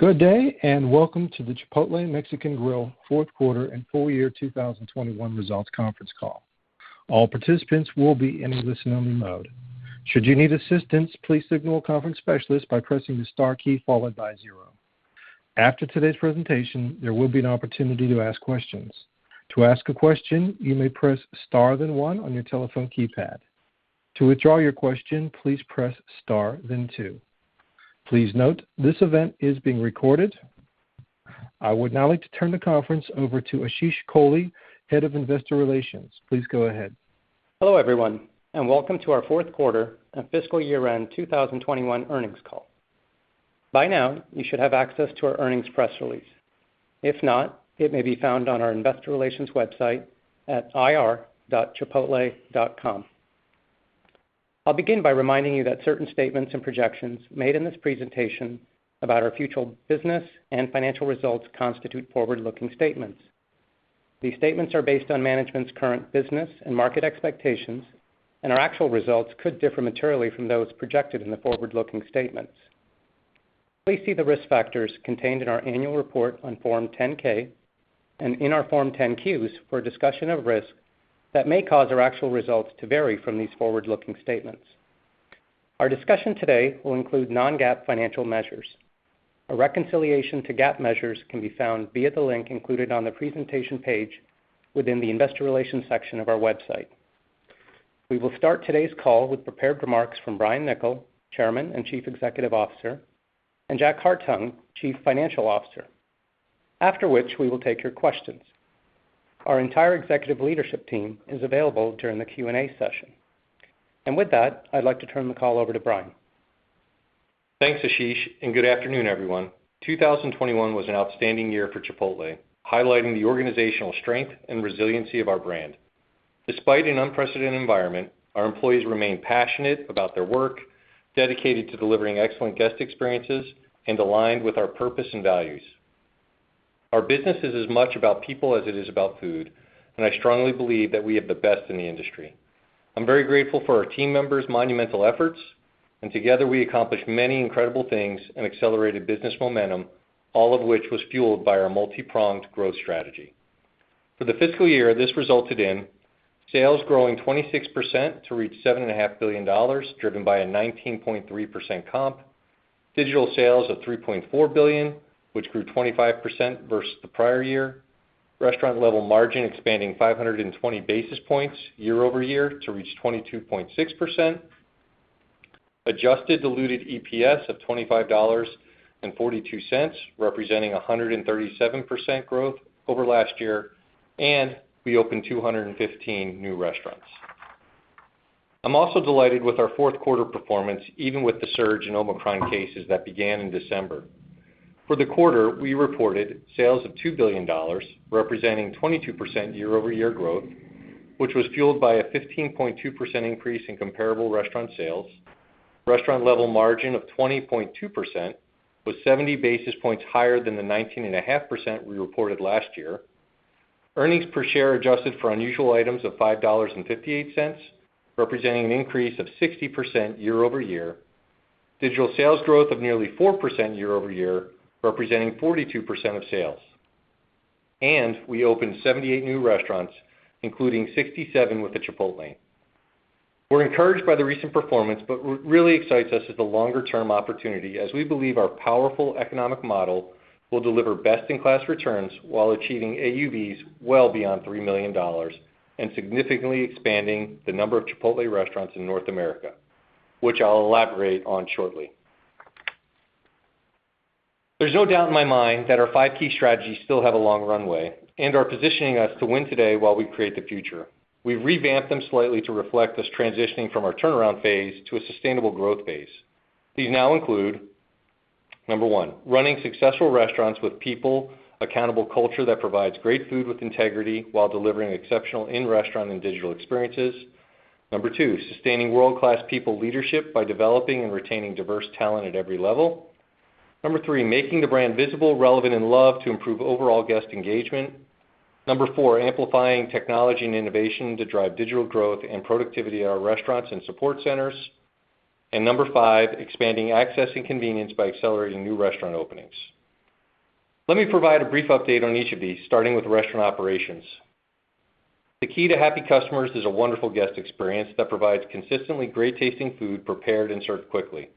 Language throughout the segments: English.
Good day, and welcome to the Chipotle Mexican Grill fourth quarter and full year 2021 results conference call. All participants will be in a listen-only mode. Should you need assistance, please signal a conference specialist by pressing the star key followed by zero. After today's presentation, there will be an opportunity to ask questions. To ask a question, you may press star then one on your telephone keypad. To withdraw your question, please press star then two. Please note, this event is being recorded. I would now like to turn the conference over to Ashish Kohli, Head of Investor Relations. Please go ahead. Hello, everyone, and welcome to our fourth quarter and fiscal year-end 2021 earnings call. By now, you should have access to our earnings press release. If not, it may be found on our investor relations website at ir.chipotle.com. I'll begin by reminding you that certain statements and projections made in this presentation about our future business and financial results constitute forward-looking statements. These statements are based on management's current business and market expectations, and our actual results could differ materially from those projected in the forward-looking statements. Please see the risk factors contained in our annual report on Form 10-K and in our Form 10-Q for a discussion of risks that may cause our actual results to vary from these forward-looking statements. Our discussion today will include non-GAAP financial measures. A reconciliation to GAAP measures can be found via the link included on the Presentation page within the Investor Relations section of our website. We will start today's call with prepared remarks from Brian Niccol, Chairman and Chief Executive Officer, and Jack Hartung, Chief Financial Officer, after which we will take your questions. Our entire executive leadership team is available during the Q&A session. With that, I'd like to turn the call over to Brian. Thanks, Ashish, and good afternoon, everyone. 2021 was an outstanding year for Chipotle, highlighting the organizational strength and resiliency of our brand. Despite an unprecedented environment, our employees remain passionate about their work, dedicated to delivering excellent guest experiences, and aligned with our purpose and values. Our business is as much about people as it is about food, and I strongly believe that we have the best in the industry. I'm very grateful for our team members' monumental efforts, and together we accomplished many incredible things and accelerated business momentum, all of which was fueled by our multi-pronged growth strategy. For the fiscal year, this resulted in sales growing 26% to reach $7.5 billion, driven by a 19.3% comp. Digital sales of $3.4 billion, which grew 25% versus the prior year. Restaurant level margin expanding 520 basis points year-over-year to reach 22.6%. Adjusted diluted EPS of $25.42, representing 137% growth over last year and we opened 215 new restaurants. I'm also delighted with our fourth quarter performance, even with the surge in Omicron cases that began in December. For the quarter, we reported sales of $2 billion, representing 22% year-over-year growth, which was fueled by a 15.2% increase in comparable restaurant sales. Restaurant level margin of 20.2% was 70 basis points higher than the 19.5% we reported last year. Earnings per share adjusted for unusual items of $5.58, representing an increase of 60% year-over-year. Digital sales growth of nearly 4% year-over-year, representing 42% of sales. We opened 78 new restaurants, including 67 with a Chipotlane. We're encouraged by the recent performance, but what really excites us is the longer-term opportunity as we believe our powerful economic model will deliver best-in-class returns while achieving AUVs well beyond $3 million and significantly expanding the number of Chipotle restaurants in North America, which I'll elaborate on shortly. There's no doubt in my mind that our five key strategies still have a long runway and are positioning us to win today while we create the future. We've revamped them slightly to reflect this transitioning from our turnaround phase to a sustainable growth phase. These now include, number one, running successful restaurants with people, accountable culture that provides great food with integrity while delivering exceptional in-restaurant and digital experiences. Number two, sustaining world-class people leadership by developing and retaining diverse talent at every level. Number three, making the brand visible, relevant and loved to improve overall guest engagement. Number four, amplifying technology and innovation to drive digital growth and productivity at our restaurants and support centers. Number five, expanding access and convenience by accelerating new restaurant openings. Let me provide a brief update on each of these, starting with restaurant operations. The key to happy customers is a wonderful guest experience that provides consistently great tasting food prepared and served quickly.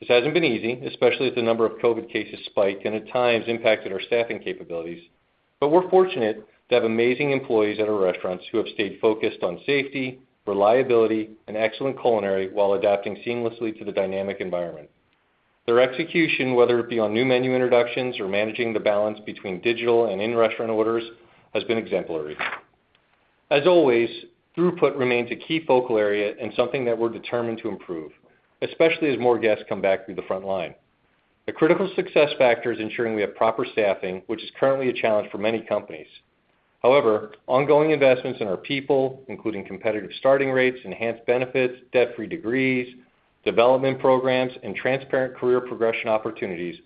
This hasn't been easy, especially as the number of COVID cases spiked and at times impacted our staffing capabilities. We're fortunate to have amazing employees at our restaurants who have stayed focused on safety, reliability, and excellent culinary while adapting seamlessly to the dynamic environment. Their execution, whether it be on new menu introductions or managing the balance between digital and in-restaurant orders, has been exemplary. As always, throughput remains a key focal area and something that we're determined to improve, especially as more guests come back through the front line. A critical success factor is ensuring we have proper staffing, which is currently a challenge for many companies. However, ongoing investments in our people, including competitive starting rates, enhanced benefits, debt-free degrees, development programs, and transparent career progression opportunities,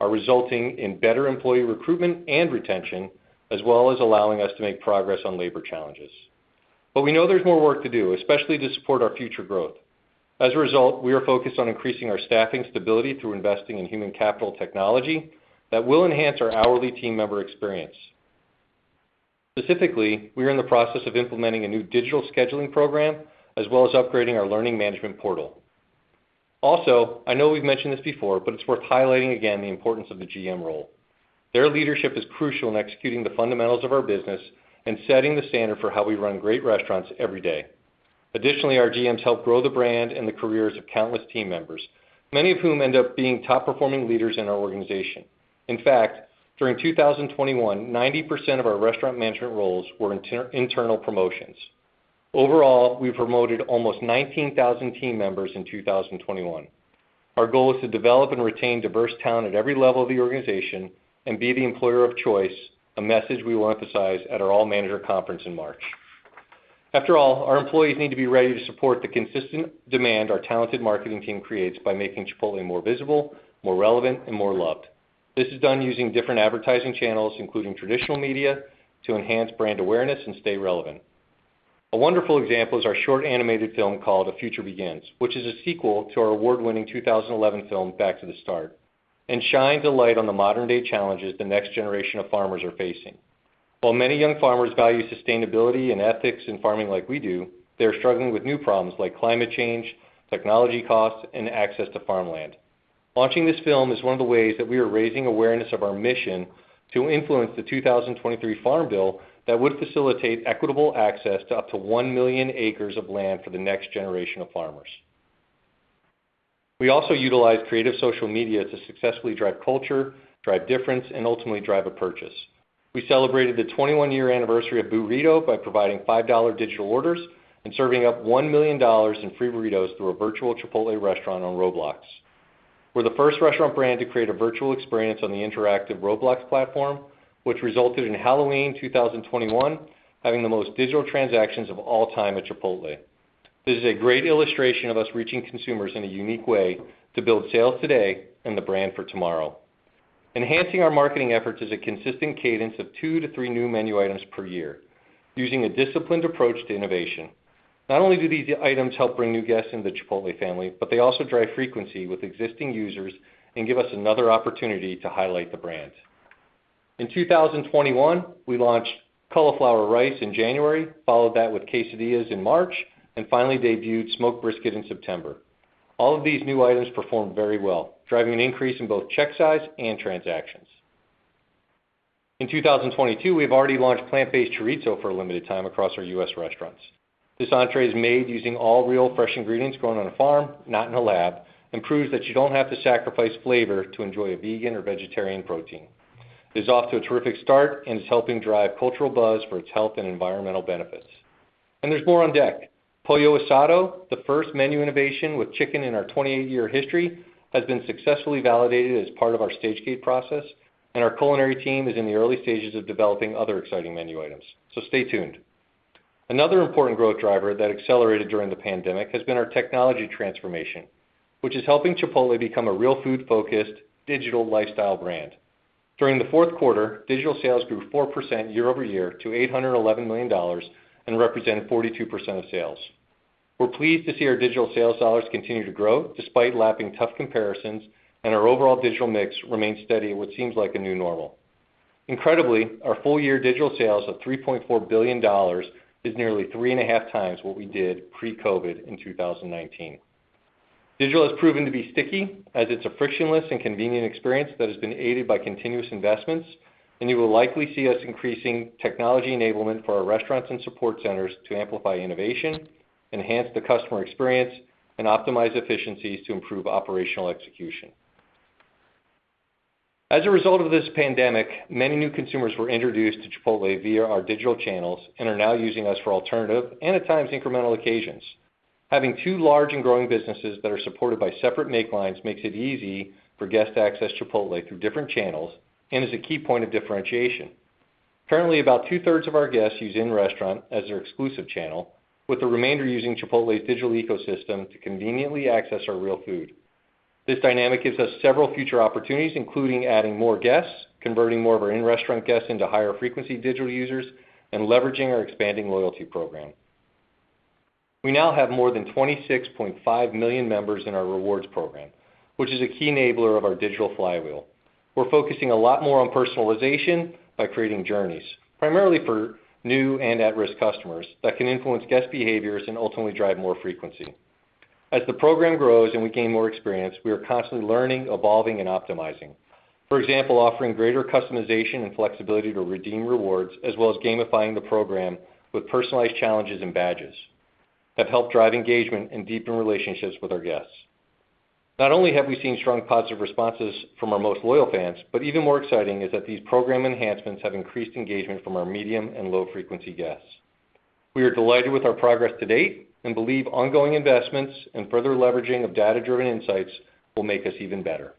are resulting in better employee recruitment and retention, as well as allowing us to make progress on labor challenges. We know there's more work to do, especially to support our future growth. As a result, we are focused on increasing our staffing stability through investing in human capital technology that will enhance our hourly team member experience. Specifically, we are in the process of implementing a new digital scheduling program, as well as upgrading our learning management portal. Also, I know we've mentioned this before, but it's worth highlighting again the importance of the GM role. Their leadership is crucial in executing the fundamentals of our business and setting the standard for how we run great restaurants every day. Additionally, our GMs help grow the brand and the careers of countless team members, many of whom end up being top-performing leaders in our organization. In fact, during 2021, 90% of our restaurant management roles were internal promotions. Overall, we promoted almost 19,000 team members in 2021. Our goal is to develop and retain diverse talent at every level of the organization and be the employer of choice, a message we will emphasize at our all manager conference in March. After all, our employees need to be ready to support the consistent demand our talented marketing team creates by making Chipotle more visible, more relevant, and more loved. This is done using different advertising channels, including traditional media, to enhance brand awareness and stay relevant. A wonderful example is our short animated film called A Future Begins, which is a sequel to our award-winning 2011 film, Back to the Start, and shines a light on the modern-day challenges the next generation of farmers are facing. While many young farmers value sustainability and ethics in farming like we do, they're struggling with new problems like climate change, technology costs, and access to farmland. Launching this film is one of the ways that we are raising awareness of our mission to influence the 2023 Farm Bill that would facilitate equitable access to up to 1 million acres of land for the next generation of farmers. We also utilize creative social media to successfully drive culture, drive difference, and ultimately drive a purchase. We celebrated the 21-year anniversary of Boorito by providing $5 digital orders and serving up $1 million in free burritos through a virtual Chipotle restaurant on Roblox. We're the first restaurant brand to create a virtual experience on the interactive Roblox platform, which resulted in Halloween 2021 having the most digital transactions of all time at Chipotle. This is a great illustration of us reaching consumers in a unique way to build sales today and the brand for tomorrow. Enhancing our marketing efforts is a consistent cadence of two to three new menu items per year using a disciplined approach to innovation. Not only do these items help bring new guests into the Chipotle family, but they also drive frequency with existing users and give us another opportunity to highlight the brand. In 2021, we launched cauliflower rice in January, followed that with quesadillas in March, and finally debuted Smoked Brisket in September. All of these new items performed very well, driving an increase in both check size and transactions. In 2022, we have already launched Plant-Based Chorizo for a limited time across our U.S. restaurants. This entree is made using all real, fresh ingredients grown on a farm, not in a lab, and proves that you don't have to sacrifice flavor to enjoy a vegan or vegetarian protein. It is off to a terrific start and is helping drive cultural buzz for its health and environmental benefits. There's more on deck. Pollo Asado, the first menu innovation with chicken in our 28-year history, has been successfully validated as part of our stage gate process, and our culinary team is in the early stages of developing other exciting menu items, so stay tuned. Another important growth driver that accelerated during the pandemic has been our technology transformation, which is helping Chipotle become a real food-focused digital lifestyle brand. During the fourth quarter, digital sales grew 4% year-over-year to $811 million and represented 42% of sales. We're pleased to see our digital sales dollars continue to grow despite lapping tough comparisons and our overall digital mix remain steady at what seems like a new normal. Incredibly, our full year digital sales of $3.4 billion is nearly 3.5 times what we did pre-COVID in 2019. Digital has proven to be sticky as it's a frictionless and convenient experience that has been aided by continuous investments, and you will likely see us increasing technology enablement for our restaurants and support centers to amplify innovation, enhance the customer experience, and optimize efficiencies to improve operational execution. As a result of this pandemic, many new consumers were introduced to Chipotle via our digital channels and are now using us for alternative and, at times, incremental occasions. Having two large and growing businesses that are supported by separate make lines makes it easy for guests to access Chipotle through different channels and is a key point of differentiation. Currently, about 2/3 of our guests use in-restaurant as their exclusive channel, with the remainder using Chipotle's digital ecosystem to conveniently access our real food. This dynamic gives us several future opportunities, including adding more guests, converting more of our in-restaurant guests into higher-frequency digital users, and leveraging our expanding loyalty program. We now have more than 26.5 million members in our rewards program, which is a key enabler of our digital flywheel. We're focusing a lot more on personalization by creating journeys, primarily for new and at-risk customers that can influence guest behaviors and ultimately drive more frequency. As the program grows and we gain more experience, we are constantly learning, evolving, and optimizing. For example, offering greater customization and flexibility to redeem rewards, as well as gamifying the program with personalized challenges and badges, have helped drive engagement and deepen relationships with our guests. Not only have we seen strong positive responses from our most loyal fans, but even more exciting is that these program enhancements have increased engagement from our medium and low-frequency guests. We are delighted with our progress to date and believe ongoing investments and further leveraging of data-driven insights will make us even better.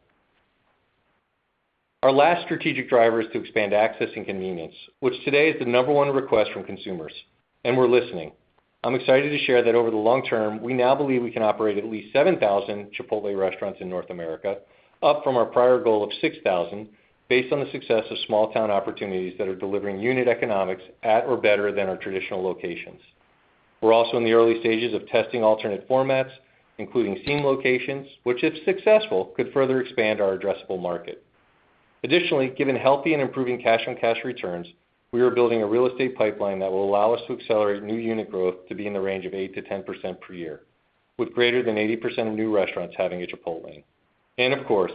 Our last strategic driver is to expand access and convenience, which today is the number one request from consumers, and we're listening. I'm excited to share that over the long term, we now believe we can operate at least 7,000 Chipotle restaurants in North America, up from our prior goal of 6,000, based on the success of small town opportunities that are delivering unit economics at or better than our traditional locations. We're also in the early stages of testing alternate formats, including seam locations, which, if successful, could further expand our addressable market. Additionally, given healthy and improving cash-on-cash returns, we are building a real estate pipeline that will allow us to accelerate new unit growth to be in the range of 8%-10% per year, with greater than 80% of new restaurants having a Chipotlane. Of course,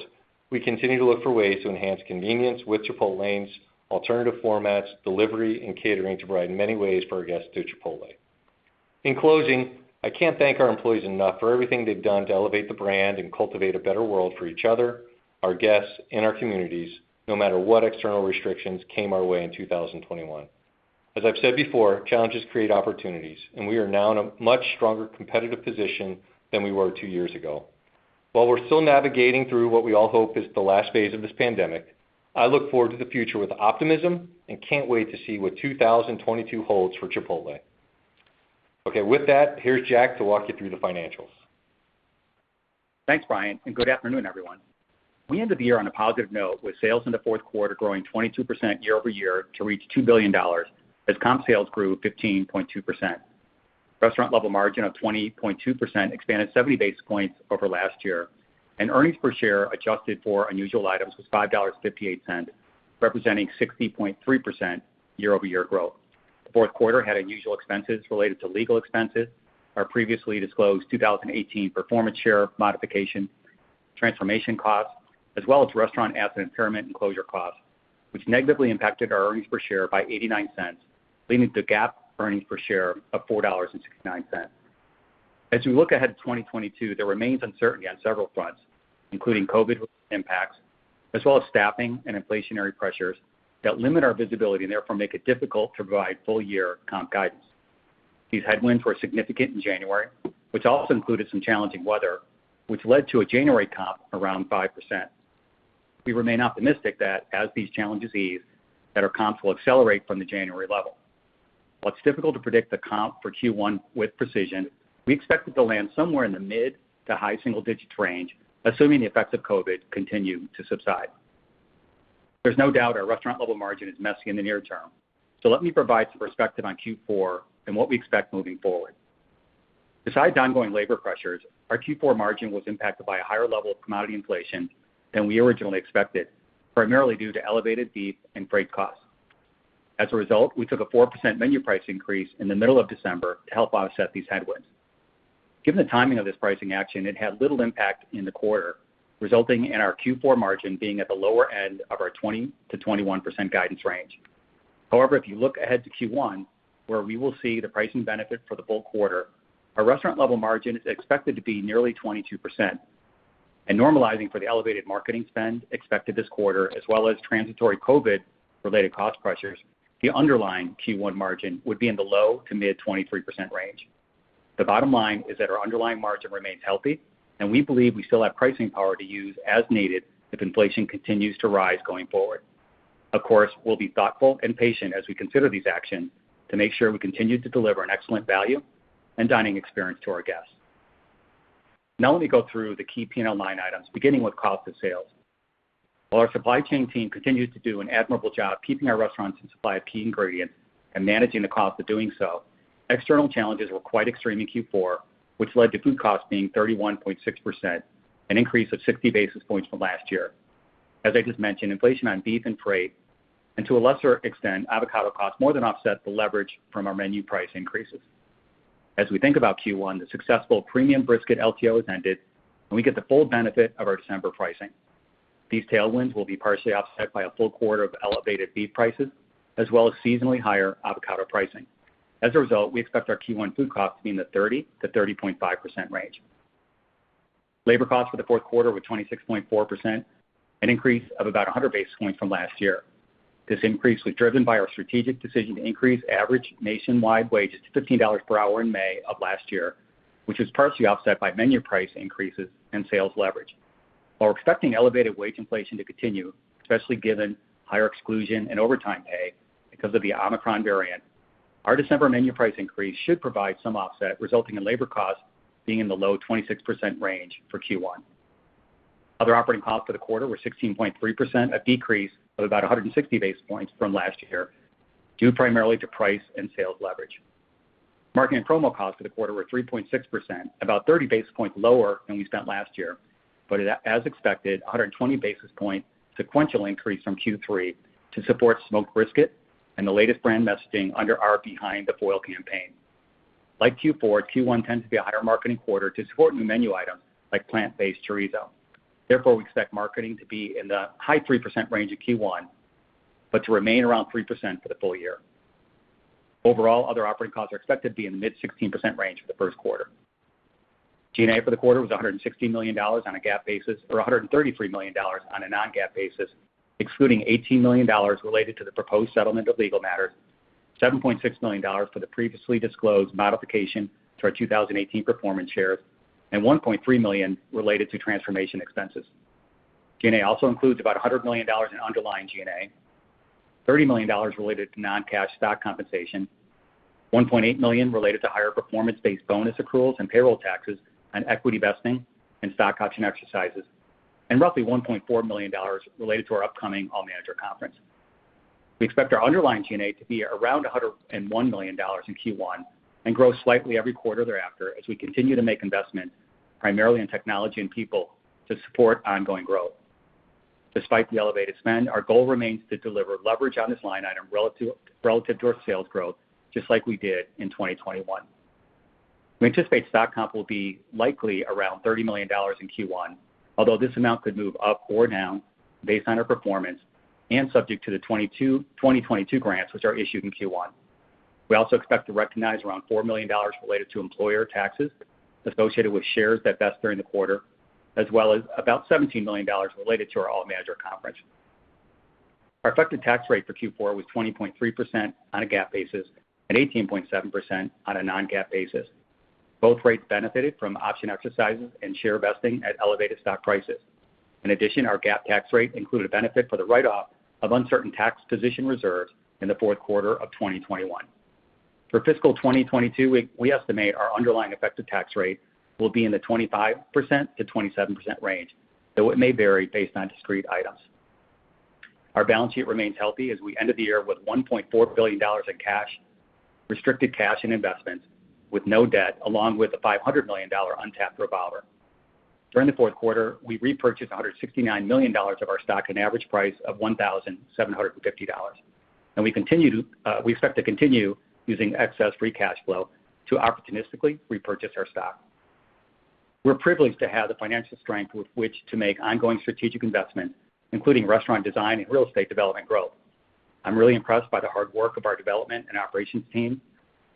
we continue to look for ways to enhance convenience with Chipotlanes, alternative formats, delivery, and catering to provide many ways for our guests to Chipotle. In closing, I can't thank our employees enough for everything they've done to elevate the brand and cultivate a better world for each other, our guests, and our communities, no matter what external restrictions came our way in 2021. As I've said before, challenges create opportunities, and we are now in a much stronger competitive position than we were two years ago. While we're still navigating through what we all hope is the last phase of this pandemic, I look forward to the future with optimism and can't wait to see what 2022 holds for Chipotle. Okay. With that, here's Jack to walk you through the financials. Thanks, Brian, and good afternoon, everyone. We end the year on a positive note with sales in the fourth quarter growing 22% year-over-year to reach $2 billion as comp sales grew 15.2%. Restaurant-level margin of 20.2% expanded 70 basis points over last year, and earnings per share adjusted for unusual items was $5.58, representing 60.3% year-over-year growth. The fourth quarter had unusual expenses related to legal expenses, our previously disclosed 2018 performance share modification, transformation costs, as well as restaurant asset impairment and closure costs, which negatively impacted our earnings per share by $0.89, leading to GAAP earnings per share of $4.69. As we look ahead to 2022, there remains uncertainty on several fronts, including COVID impacts, as well as staffing and inflationary pressures that limit our visibility and therefore make it difficult to provide full year comp guidance. These headwinds were significant in January, which also included some challenging weather, which led to a January comp around 5%. We remain optimistic that as these challenges ease, that our comps will accelerate from the January level. While it's difficult to predict the comp for Q1 with precision, we expect it to land somewhere in the mid to high single digits range, assuming the effects of COVID continue to subside. There's no doubt our restaurant level margin is messy in the near term. Let me provide some perspective on Q4 and what we expect moving forward. Besides ongoing labor pressures, our Q4 margin was impacted by a higher level of commodity inflation than we originally expected, primarily due to elevated beef and freight costs. As a result, we took a 4% menu price increase in the middle of December to help offset these headwinds. Given the timing of this pricing action, it had little impact in the quarter, resulting in our Q4 margin being at the lower end of our 20%-21% guidance range. However, if you look ahead to Q1, where we will see the pricing benefit for the full quarter, our restaurant level margin is expected to be nearly 22%. Normalizing for the elevated marketing spend expected this quarter, as well as transitory COVID-related cost pressures, the underlying Q1 margin would be in the low- to mid-23% range. The bottom line is that our underlying margin remains healthy, and we believe we still have pricing power to use as needed if inflation continues to rise going forward. Of course, we'll be thoughtful and patient as we consider these actions to make sure we continue to deliver an excellent value and dining experience to our guests. Now let me go through the key P&L line items, beginning with cost of sales. While our supply chain team continued to do an admirable job keeping our restaurants in supply of key ingredients and managing the cost of doing so, external challenges were quite extreme in Q4, which led to food costs being 31.6%, an increase of 60 basis points from last year. As I just mentioned, inflation on beef and freight, and to a lesser extent, avocado costs more than offset the leverage from our menu price increases. As we think about Q1, the successful premium brisket LTO has ended, and we get the full benefit of our December pricing. These tailwinds will be partially offset by a full quarter of elevated beef prices, as well as seasonally higher avocado pricing. As a result, we expect our Q1 food costs to be in the 30%-30.5% range. Labor costs for the fourth quarter were 26.4%, an increase of about 100 basis points from last year. This increase was driven by our strategic decision to increase average nationwide wages to $15 per hour in May of last year, which was partially offset by menu price increases and sales leverage. While we're expecting elevated wage inflation to continue, especially given higher isolation and overtime pay because of the Omicron variant, our December menu price increase should provide some offset, resulting in labor costs being in the low 26% range for Q1. Other operating costs for the quarter were 16.3%, a decrease of about 160 basis points from last year, due primarily to price and sales leverage. Marketing promo costs for the quarter were 3.6%, about 30 basis points lower than we spent last year, but as expected, a 120 basis point sequential increase from Q3 to support Smoked Brisket and the latest brand messaging under our Behind The Foil campaign. Like Q4, Q1 tends to be a higher marketing quarter to support new menu items like Plant-Based Chorizo. Therefore, we expect marketing to be in the high 3% range in Q1, but to remain around 3% for the full year. Overall, other operating costs are expected to be in the mid-16% range for the first quarter. G&A for the quarter was $160 million on a GAAP basis, or $133 million on a non-GAAP basis, excluding $18 million related to the proposed settlement of legal matters, $7.6 million for the previously disclosed modification to our 2018 performance shares, and $1.3 million related to transformation expenses. G&A also includes about $100 million in underlying G&A, $30 million related to non-cash stock compensation, $1.8 million related to higher performance-based bonus accruals and payroll taxes on equity vesting and stock option exercises, and roughly $1.4 million related to our upcoming all manager conference. We expect our underlying G&A to be around $101 million in Q1 and grow slightly every quarter thereafter as we continue to make investments, primarily in technology and people, to support ongoing growth. Despite the elevated spend, our goal remains to deliver leverage on this line item relative to our sales growth, just like we did in 2021. We anticipate stock comp will be likely around $30 million in Q1, although this amount could move up or down based on our performance and subject to the 2022 grants, which are issued in Q1. We also expect to recognize around $4 million related to employer taxes associated with shares that vest during the quarter, as well as about $17 million related to our All Manager Conference. Our effective tax rate for Q4 was 20.3% on a GAAP basis and 18.7% on a non-GAAP basis. Both rates benefited from option exercises and share vesting at elevated stock prices. In addition, our GAAP tax rate included a benefit for the write-off of uncertain tax position reserves in the fourth quarter of 2021. For fiscal 2022, we estimate our underlying effective tax rate will be in the 25%-27% range, though it may vary based on discrete items. Our balance sheet remains healthy as we ended the year with $1.4 billion in cash, restricted cash and investments, with no debt along with a $500 million untapped revolver. During the fourth quarter, we repurchased $169 million of our stock at an average price of $1,750. We expect to continue using excess free cash flow to opportunistically repurchase our stock. We're privileged to have the financial strength with which to make ongoing strategic investments, including restaurant design and real estate development growth. I'm really impressed by the hard work of our development and operations team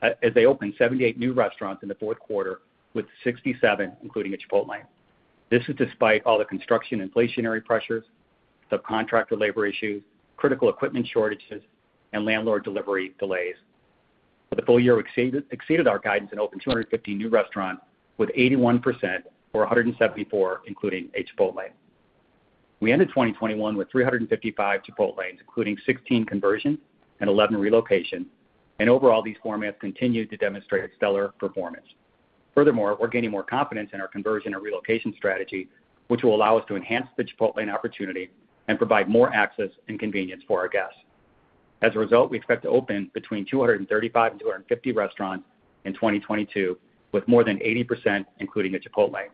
as they opened 78 new restaurants in the fourth quarter, with 67 including a Chipotlane. This is despite all the construction inflationary pressures, subcontractor labor issues, critical equipment shortages, and landlord delivery delays. For the full year, we exceeded our guidance and opened 250 new restaurants, with 81% or 174 including a Chipotlane. We ended 2021 with 355 Chipotlanes, including 16 conversions and 11 relocations. Overall, these formats continued to demonstrate stellar performance. Furthermore, we're gaining more confidence in our conversion and relocation strategy, which will allow us to enhance the Chipotlane opportunity and provide more access and convenience for our guests. As a result, we expect to open between 235 and 250 restaurants in 2022, with more than 80% including a Chipotlane.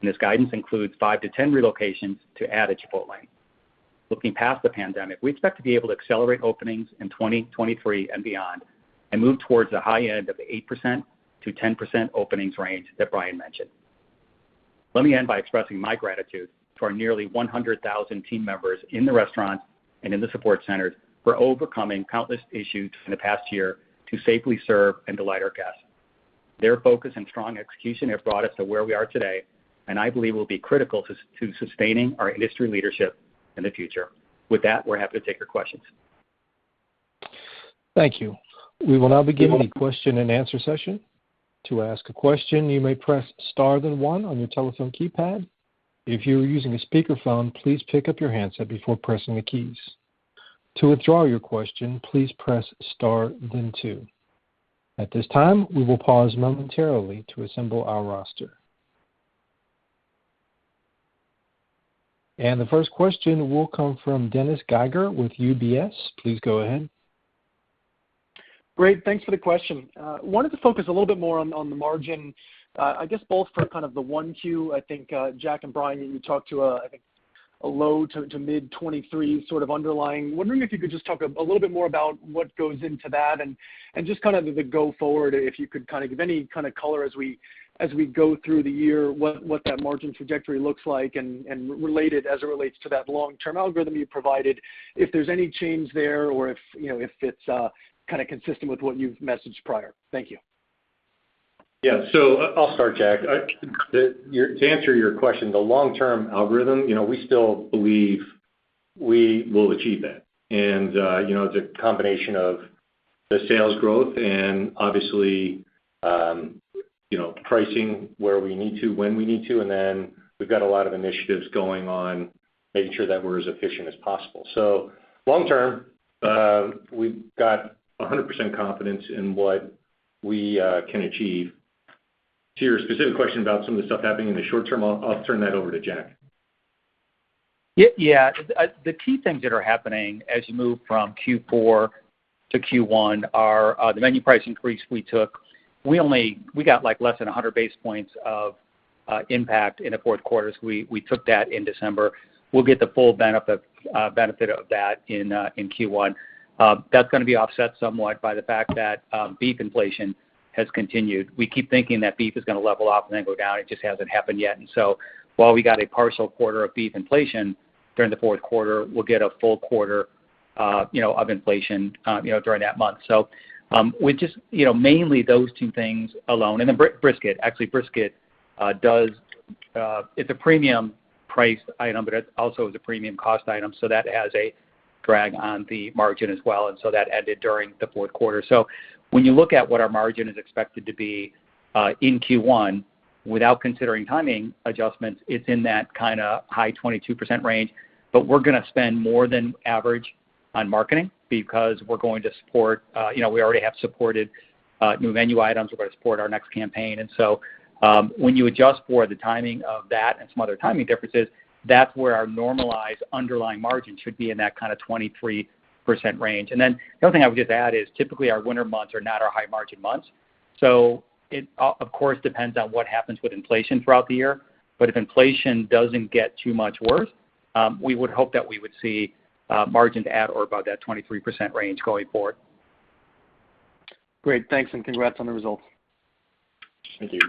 This guidance includes 5-10 relocations to add a Chipotlane. Looking- past the pandemic, we expect to be able to accelerate openings in 2023 and beyond and move towards the high end of 8%-10% openings range that Brian mentioned. Let me end by expressing my gratitude to our nearly 100,000 team members in the restaurants and in the support centers for overcoming countless issues in the past year to safely serve and delight our guests. Their focus and strong execution have brought us to where we are today, and I believe will be critical to sustaining our industry leadership in the future. With that, we're happy to take your questions. Thank you. We will now begin the question-and-answer session. To ask a question, you may press star then one on your telephone keypad. If you are using a speakerphone, please pick up your handset before pressing the keys. To withdraw your question, please press star then two. At this time, we will pause momentarily to assemble our roster. The first question will come from Dennis Geiger with UBS. Please go ahead. Great. Thanks for the question. Wanted to focus a little bit more on the margin, both for kind of the 1Q. I think Jack and Brian, you talked to a low- to mid-23% sort of underlying. Wondering if you could just talk a little bit more about what goes into that and just kind of the go-forward, if you could kind of give any kind of color as we go through the year, what that margin trajectory looks like and related as it relates to that long-term algorithm you provided. If there's any change there or if, you know, if it's kind of consistent with what you've messaged prior. Thank you. Yeah. I'll start, Jack. To answer your question, the long-term algorithm, you know, we still believe we will achieve that. You know, it's a combination of the sales growth and obviously, you know, pricing where we need to, when we need to. Then we've got a lot of initiatives going on, making sure that we're as efficient as possible. Long term, we've got 100% confidence in what we can achieve. To your specific question about some of the stuff happening in the short term, I'll turn that over to Jack. Yeah. The key things that are happening as you move from Q4 to Q1 are the menu price increase we took. We only got, like, less than 100 basis points of impact in the fourth quarter, so we took that in December. We'll get the full benefit of that in Q1. That's gonna be offset somewhat by the fact that beef inflation has continued. We keep thinking that beef is gonna level off and then go down. It just hasn't happened yet. While we got a partial quarter of beef inflation during the fourth quarter, we'll get a full quarter of inflation during that month. We just mainly those two things alone., then brisket. Actually, brisket does, it's a premium priced item, but it also is a premium cost item, so that has a drag on the margin as well. That ended during the fourth quarter. When you look at what our margin is expected to be in Q1, without considering timing adjustments, it's in that kinda high 22% range. We're gonna spend more than average on marketing because we're going to support you know, we already have supported new menu items. We're gonna support our next campaign. When you adjust for the timing of that and some other timing differences That's where our normalized underlying margin should be in that kind of 23% range. Then the other thing I would just add is typically our winter months are not our high margin months. It, of course, depends on what happens with inflation throughout the year. If inflation doesn't get too much worse, we would hope that we would see margins at or above that 23% range going forward. Great. Thanks, and congrats on the results. Thank you.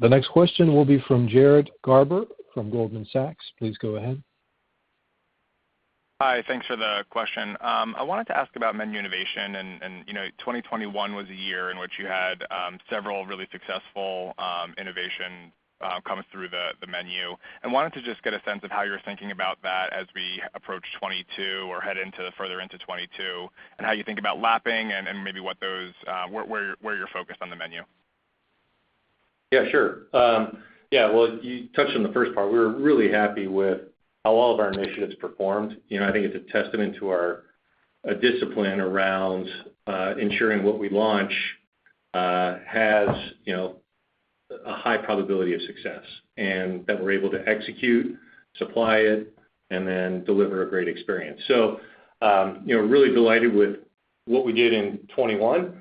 The next question will be from Jared Garber from Goldman Sachs. Please go ahead. Hi. Thanks for the question. I wanted to ask about menu innovation and, you know, 2021 was a year in which you had several really successful innovation coming through the menu. I wanted to just get a sense of how you're thinking about that as we approach 2022 or head further into 2022 and how you think about lapping and maybe what those where you're focused on the menu. Yeah, sure. Yeah, well, you touched on the first part. We were really happy with how all of our initiatives performed. You know, I think it's a testament to our discipline around ensuring what we launch has you know a high probability of success, and that we're able to execute, supply it, and then deliver a great experience. You know, really delighted with what we did in 2021.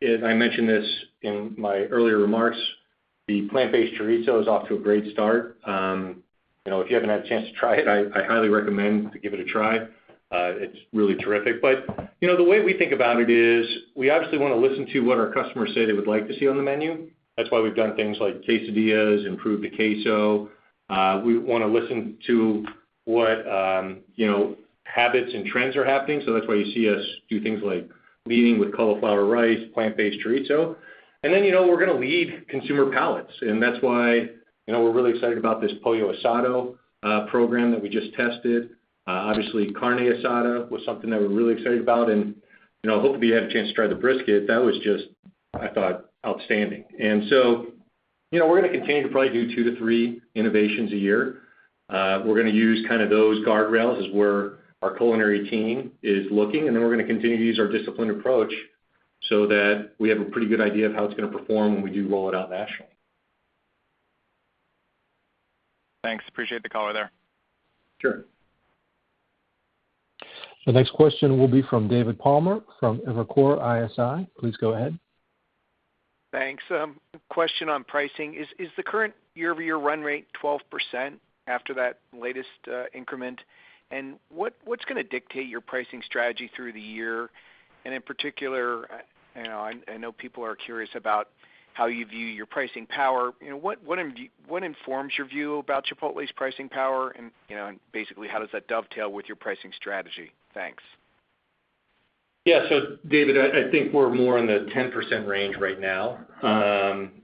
As I mentioned this in my earlier remarks, the Plant-Based Chorizo is off to a great start. You know, if you haven't had a chance to try it, I highly recommend to give it a try. It's really terrific. You know, the way we think about it is we obviously wanna listen to what our customers say they would like to see on the menu. That's why we've done things like Quesadillas, improved the Queso. We wanna listen to what you know habits and trends are happening, so that's why you see us do things like leading with cauliflower rice, Plant-Based Chorizo. You know, we're gonna lead consumer palates, and that's why you know we're really excited about this Pollo Asado program that we just tested. Obviously, Carne Asada was something that we're really excited about. You know, hopefully you had a chance to try the brisket. That was just, I thought, outstanding. You know, we're gonna continue to probably do two to three innovations a year. We're gonna use kind of those guardrails as where our culinary team is looking, and then we're gonna continue to use our disciplined approach so that we have a pretty good idea of how it's gonna perform when we do roll it out nationally. Thanks. Appreciate the color there. Sure. The next question will be from David Palmer from Evercore ISI. Please go ahead. Thanks. Question on pricing. Is the current year-over-year run rate 12% after that latest increment? What’s gonna dictate your pricing strategy through the year? In particular, you know, I know people are curious about how you view your pricing power. You know, what informs your view about Chipotle's pricing power? Basically, how does that dovetail with your pricing strategy? Thanks. Yeah. David, I think we're more in the 10% range right now,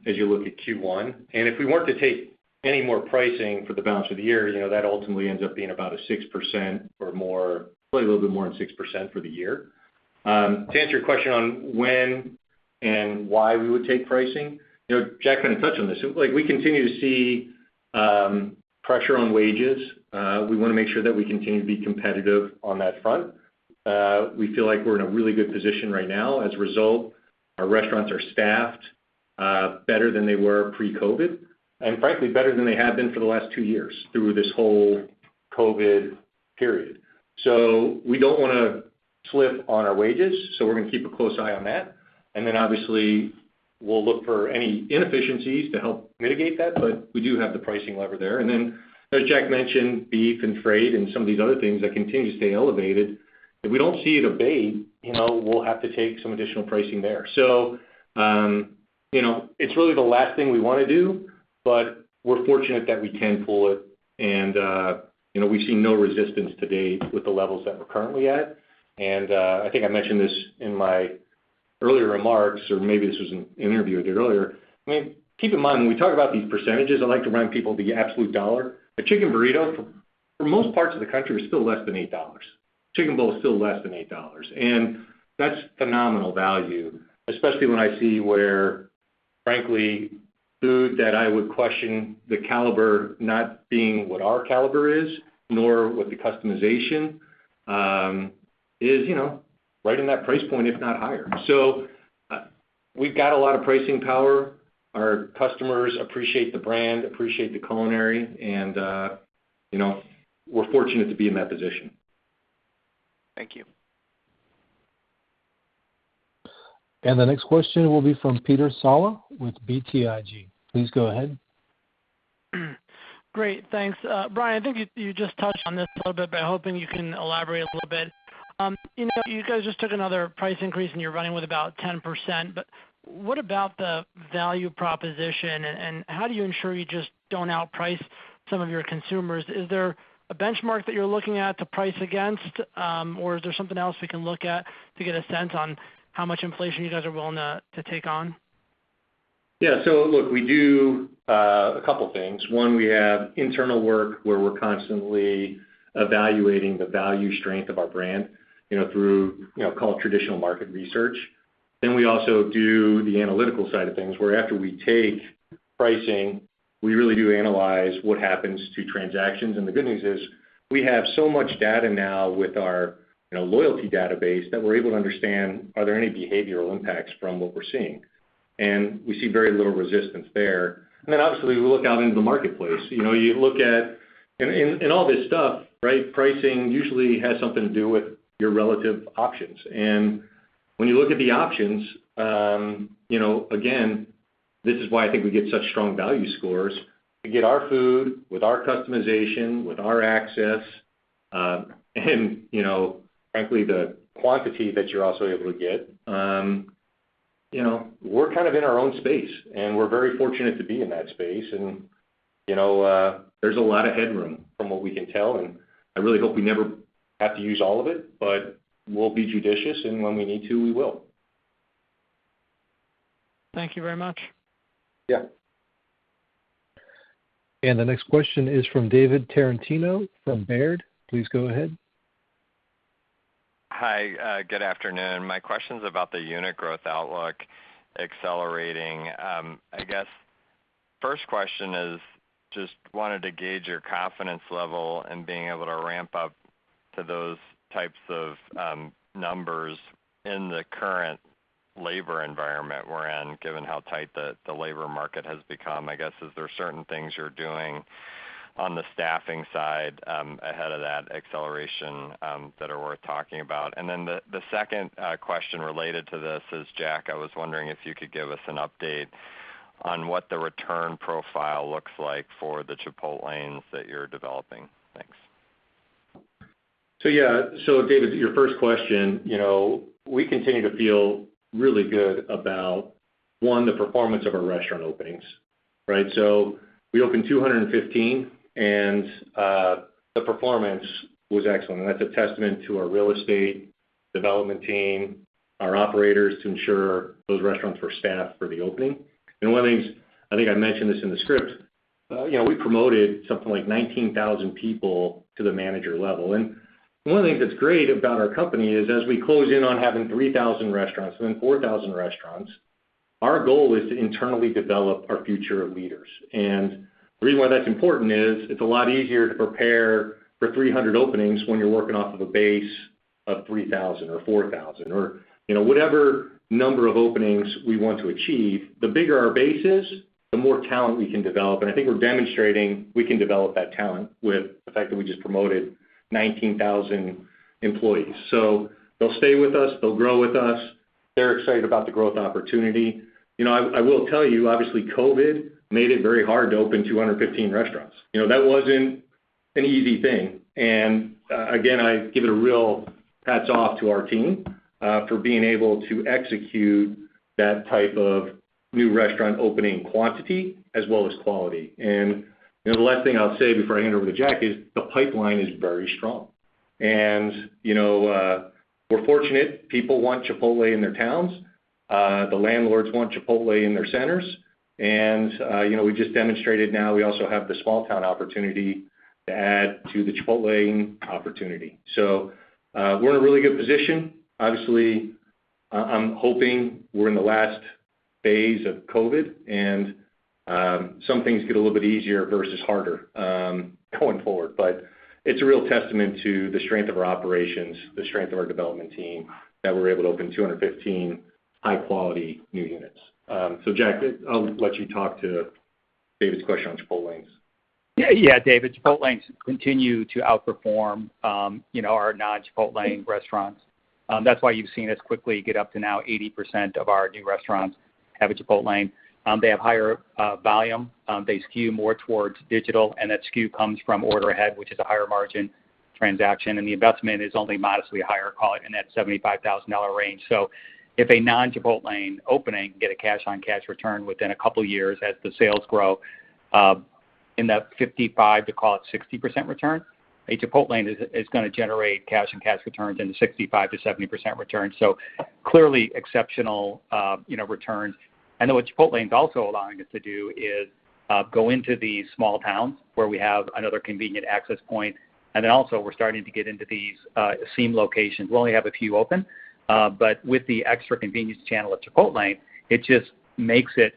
as you look at Q1. If we weren't to take any more pricing for the balance of the year, you know, that ultimately ends up being about a 6% or more, probably a little bit more than 6% for the year. To answer your question on when and why we would take pricing, you know, Jack kind of touched on this. Like, we continue to see pressure on wages. We wanna make sure that we continue to be competitive on that front. We feel like we're in a really good position right now. As a result, our restaurants are staffed better than they were pre-COVID, and frankly, better than they have been for the last two years through this whole COVID period. We don't wanna slip on our wages, so we're gonna keep a close eye on that. Then obviously, we'll look for any inefficiencies to help mitigate that, but we do have the pricing lever there. Then as Jack mentioned, beef and freight and some of these other things that continue to stay elevated, if we don't see it abate, you know, we'll have to take some additional pricing there. You know, it's really the last thing we wanna do, but we're fortunate that we can pull it. You know, we've seen no resistance to date with the levels that we're currently at. I think I mentioned this in my earlier remarks, or maybe this was an interview I did earlier. I mean, keep in mind, when we talk about these percentages, I like to remind people the absolute dollar. A chicken burrito for most parts of the country is still less than $8. Chicken bowl is still less than $8. That's phenomenal value, especially when I see where, frankly, food that I would question the caliber not being what our caliber is, nor with the customization, is you know right in that price point, if not higher. We've got a lot of pricing power. Our customers appreciate the brand, appreciate the culinary, and you know we're fortunate to be in that position. Thank you. The next question will be from Peter Saleh with BTIG. Please go ahead. Great. Thanks. Brian, I think you just touched on this a little bit, but I'm hoping you can elaborate a little bit. You know, you guys just took another price increase, and you're running with about 10%, but what about the value proposition, and how do you ensure you just don't outprice some of your consumers? Is there a benchmark that you're looking at to price against, or is there something else we can look at to get a sense on how much inflation you guys are willing to take on? Yeah, look, we do a couple things. One, we have internal work where we're constantly evaluating the value strength of our brand, you know, through, you know, call it traditional market research. We also do the analytical side of things, where after we take pricing, we really do analyze what happens to transactions. The good news is we have so much data now with our, you know, loyalty database that we're able to understand, are there any behavioral impacts from what we're seeing? We see very little resistance there. We look out into the marketplace. You know, you look at in all this stuff, right? Pricing usually has something to do with your relative options. When you look at the options, you know, again, this is why I think we get such strong value scores. To get our food with our customization, with our access, and, you know, frankly, the quantity that you're also able to get, you know, we're kind of in our own space, and we're very fortunate to be in that space. You know, there's a lot of headroom from what we can tell, and I really hope we never have to use all of it, but we'll be judicious, and when we need to, we will. Thank you very much. Yeah. The next question is from David Tarantino from Baird. Please go ahead. Hi, good afternoon. My question's about the unit growth outlook accelerating. I guess first question is just wanted to gauge your confidence level in being able to ramp up to those types of numbers in the current labor environment we're in, given how tight the labor market has become. I guess, is there certain things you're doing on the staffing side ahead of that acceleration that are worth talking about? The second question related to this is, Jack, I was wondering if you could give us an update on what the return profile looks like for the Chipotlanes that you're developing. Thanks. David, to your first question, you know, we continue to feel really good about, one, the performance of our restaurant openings, right? We opened 215, and the performance was excellent, and that's a testament to our real estate development team, our operators to ensure those restaurants were staffed for the opening. One of the things, I think I mentioned this in the script, you know, we promoted something like 19,000 people to the manager level. One of the things that's great about our company is as we close in on having 3,000 restaurants, and then 4,000 restaurants, our goal is to internally develop our future leaders. The reason why that's important is it's a lot easier to prepare for 300 openings when you're working off of a base of 3,000 or 4,000 or, you know, whatever number of openings we want to achieve. The bigger our base is, the more talent we can develop. I think we're demonstrating we can develop that talent with the fact that we just promoted 19,000 employees. So they'll stay with us. They'll grow with us. They're excited about the growth opportunity. You know, I will tell you, obviously, COVID made it very hard to open 215 restaurants. You know, that wasn't an easy thing. Again, I give it a real hats off to our team for being able to execute that type of new restaurant opening quantity as well as quality. You know, the last thing I'll say before I hand over to Jack is the pipeline is very strong. You know, we're fortunate people want Chipotle in their towns. The landlords want Chipotle in their centers. You know, we just demonstrated now we also have the small town opportunity to add to the Chipotlane opportunity. We're in a really good position. Obviously, I'm hoping we're in the last phase of COVID and some things get a little bit easier versus harder going forward. But it's a real testament to the strength of our operations, the strength of our development team that we're able to open 215 high-quality new units. Jack, I'll let you talk to David's question on Chipotlanes. Yeah. Yeah, David, Chipotlanes continue to outperform, you know, our non-Chipotlane restaurants. That's why you've seen us quickly get up to now 80% of our new restaurants have a Chipotlane and they have higher volume. They skew more towards digital, and that skew comes from order ahead, which is a higher margin transaction, and the investment is only modestly higher, call it in that $75,000 range. So if a non-Chipotlane opening get a cash-on-cash return within a couple of years as the sales grow, in that 55%-60% return, a Chipotlane is gonna generate cash and cash returns in the 65%-70% return, so clearly exceptional, you know, returns. What Chipotlane is also allowing us to do is go into these small towns where we have another convenient access point. An also we're starting to get into these seam locations. We only have a few open, but with the extra convenience channel of Chipotlane, it just makes it,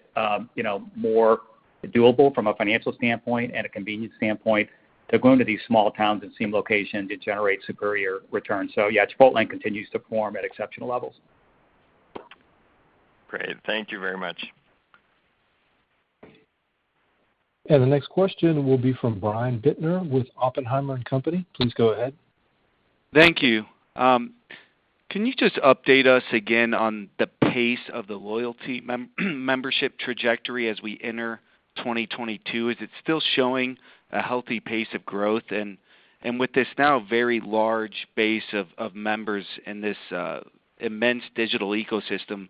you know, more doable from a financial standpoint and a convenience standpoint to go into these small towns and seam locations. It generates superior returns. Yeah, Chipotlane continues to perform at exceptional levels. Great. Thank you very much. The next question will be from Brian Bittner with Oppenheimer & Co. Please go ahead. Thank you. Can you just update us again on the pace of the loyalty membership trajectory as we enter 2022? Is it still showing a healthy pace of growth? With this now very large base of members in this immense digital ecosystem,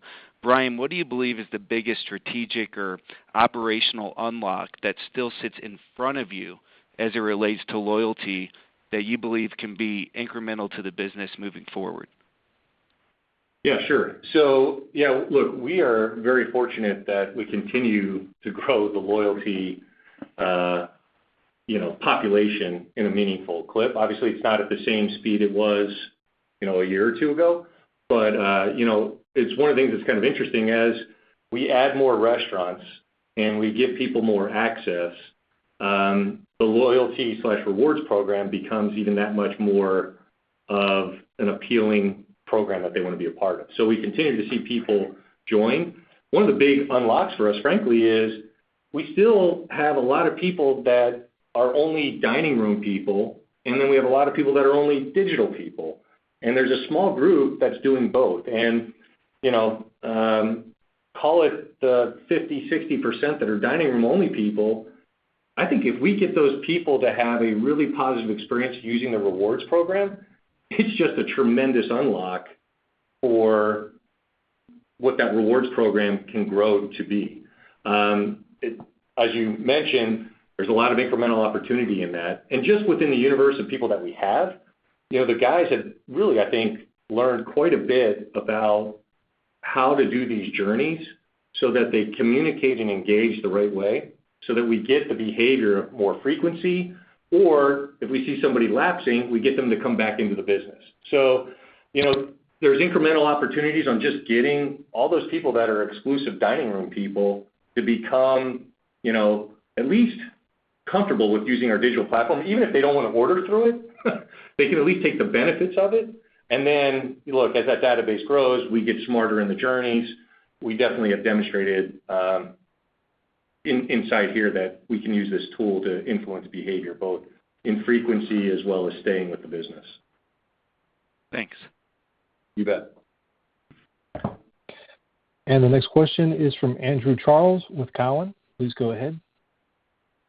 Brian, what do you believe is the biggest strategic or operational unlock that still sits in front of you as it relates to loyalty that you believe can be incremental to the business moving forward? Yeah, sure. Yeah, look, we are very fortunate that we continue to grow the loyalty, you know, population in a meaningful clip. Obviously, it's not at the same speed it was you know, a year or two ago. You know, it's one of the things that's kind of interesting is we add more restaurants and we give people more access, the loyalty/rewards program becomes even that much more of an appealing program that they wanna be a part of, so we continue to see people join. One of the big unlocks for us, frankly, is we still have a lot of people that are only dining room people, and then we have a lot of people that are only digital people, and there's a small group that's doing both. You know, call it the 50%-60% that are dining room only people. I think if we get those people to have a really positive experience using the rewards program, it's just a tremendous unlock for what that rewards program can grow to be. As you mentioned, there's a lot of incremental opportunity in that. Just within the universe of people that we have, you know, the guys have really, I think, learned quite a bit about how to do these journeys so that they communicate and engage the right way so that we get the behavior of more frequency. If we see somebody lapsing, we get them to come back into the business. You know, there's incremental opportunities on just getting all those people that are exclusive dining room people to become, you know, at least comfortable with using our digital platform. Even if they don't wanna order through it, they can at least take the benefits of it. Look, as that database grows, we get smarter in the journeys. We definitely have demonstrated inside here that we can use this tool to influence behavior, both in frequency as well as staying with the business. Thanks. You bet. The next question is from Andrew Charles with TD Cowen. Please go ahead.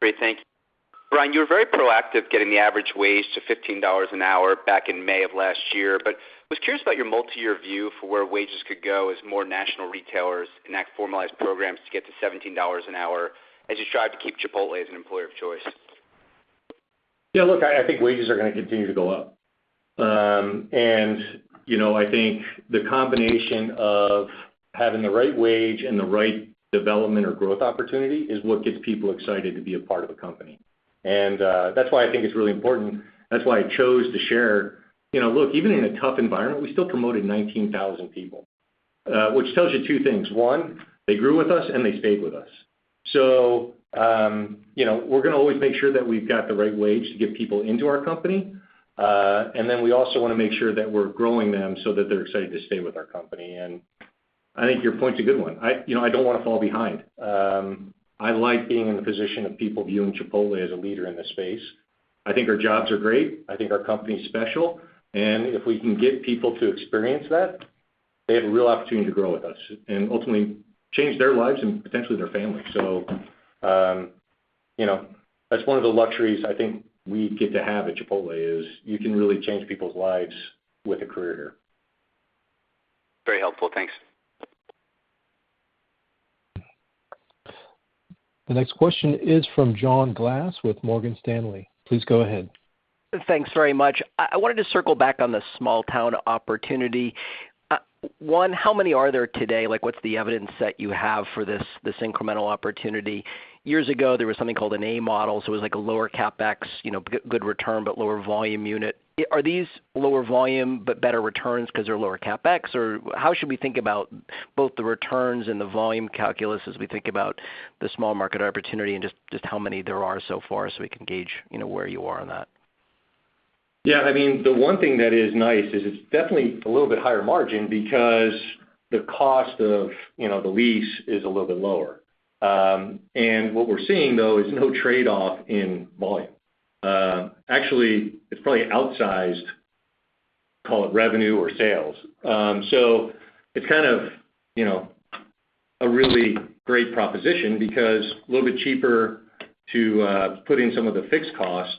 Great. Thank you. Brian, you were very proactive getting the average wage to $15 an hour back in May of last year. I was curious about your multi-year view for where wages could go as more national retailers enact formalized programs to get to $17 an hour as you strive to keep Chipotle as an employer of choice. Yeah, look, I think wages are gonna continue to go up. You know, I think the combination of having the right wage and the right development or growth opportunity is what gets people excited to be a part of a company. That's why I think it's really important. That's why I chose to share. You know, look, even in a tough environment, we still promoted 19,000 people, which tells you two things. One, they grew with us and they stayed with us. You know, we're gonna always make sure that we've got the right wage to get people into our company and then we also wanna make sure that we're growing them so that they're excited to stay with our company. I think your point's a good one. You know, I don't wanna fall behind. I like being in the position of people viewing Chipotle as a leader in the space. I think our jobs are great. I think our company is special. If we can get people to experience that, they have a real opportunity to grow with us and ultimately change their lives and potentially their family. You know, that's one of the luxuries I think we get to have at Chipotle, is you can really change people's lives with a career here. Very helpful. Thanks. The next question is from John Glass with Morgan Stanley. Please go ahead. Thanks very much. I wanted to circle back on the small town opportunity. One, how many are there today? Like, what's the evidence that you have for this incremental opportunity? Years ago, there was something called an A model, so it was like a lower CapEx, you know, good return, but lower volume unit. Are these lower volume but better returns because they're lower CapEx, or how should we think about both the returns and the volume calculus as we think about the small market opportunity and just how many there are so far so we can gauge, you know, where you are on that? Yeah, I mean, the one thing that is nice is it's definitely a little bit higher margin because the cost of, you know, the lease is a little bit lower. What we're seeing though is no trade-off in volume. Actually, it's probably outsized, call it revenue or sales. It's kind of, you know, a really great proposition because a little bit cheaper to put in some of the fixed costs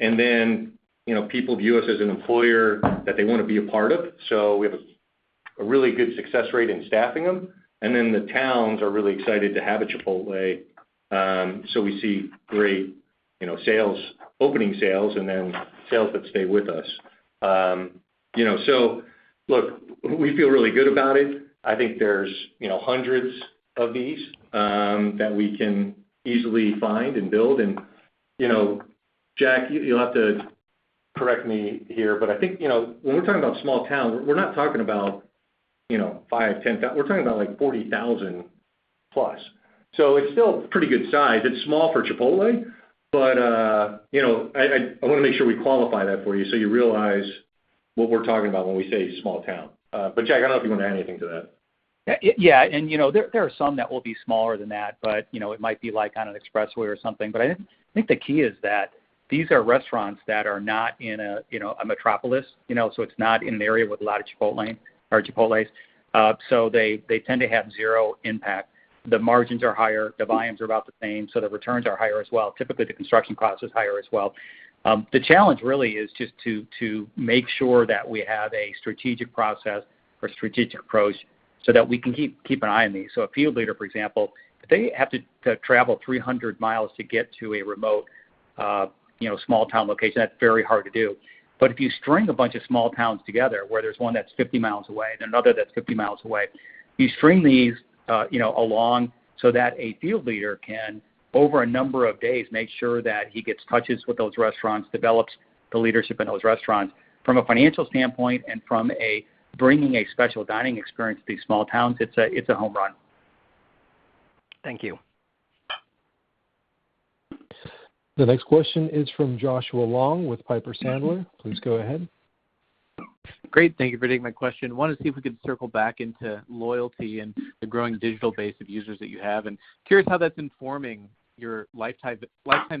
and then, you know, people view us as an employer that they wanna be a part of. We have a really good success rate in staffing them, and then the towns are really excited to have a Chipotle. We see great, you know, sales, opening sales and then sales that stay with us. You know, look, we feel really good about it. I think there's, you know, hundreds of these that we can easily find and build. You know, Jack, you'll have to correct me here, but I think, you know, when we're talking about small towns, we're not talking about, you know, 5,000-10,000. We're talking about like 40,000+. It's still pretty good size. It's small for Chipotle, but, you know, I wanna make sure we qualify that for you so you realize what we're talking about when we say small town. Jack, I don't know if you wanna add anything to that. Yeah, you know, there are some that will be smaller than that, but, you know, it might be like on an expressway or something. I think the key is that these are restaurants that are not in a, you know, a metropolis, you know, so it's not in an area with a lot of Chipotle or Chipotles. So they tend to have zero impact. The margins are higher, the volumes are about the same, so the returns are higher as well. Typically, the construction cost is higher as well. The challenge really is just to make sure that we have a strategic process or strategic approach so that we can keep an` eye on these. A field leader, for example, if they have to to travel 300 mi to get to a remote, you know, small town location, that's very hard to do. If you string a bunch of small towns together where there's one that's 50 mi away and another that's 50 mi way, you string these, you know, along so that a field leader can, over a number of days, make sure that he gets touches with those restaurants, develops the leadership in those restaurants. From a financial standpoint and from bringing a special dining experience to these small towns, it's a home run. Thank you. The next question is from Joshua Long with Piper Sandler. Please go ahead. Great. Thank you for taking my question. I wanted to see if we could circle back into loyalty and the growing digital base of users that you have. Curious how that's informing your lifetime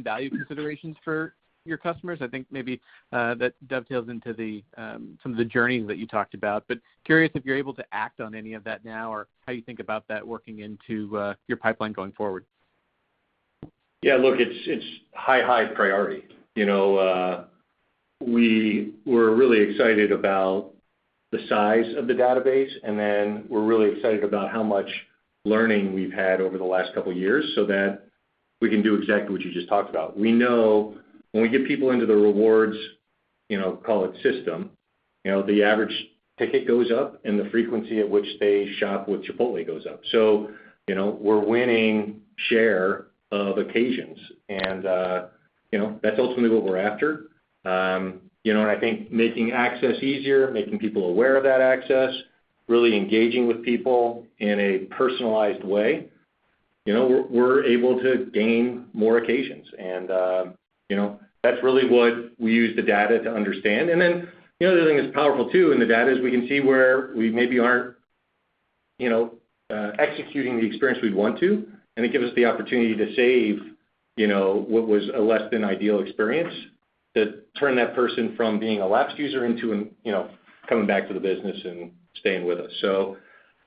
value considerations for your customers. I think maybe that dovetails into some of the journeys that you talked about. Curious if you're able to act on any of that now or how you think about that working into your pipeline going forward. Yeah, look, it's high priority. You know, we were really excited about the size of the database, and then we're really excited about how much learning we've had over the last couple of years so that we can do exactly what you just talked about. We know when we get people into the rewards, you know, call it system, you know, the average ticket goes up and the frequency at which they shop with Chipotle goes up. You know, we're winning share of occasions and, you know, that's ultimately what we're after. You know, I think making access easier, making people aware of that access, really engaging with people in a personalized way, you know, we're able to gain more occasions. You know, that's really what we use the data to understand. Then the other thing that's powerful too, in the data, is we can see where we maybe aren't, you know, executing the experience we'd want to. It gives us the opportunity to save, you know, what was a less than ideal experience to turn that person from being a lapsed user into an, you know, coming back to the business and staying with us.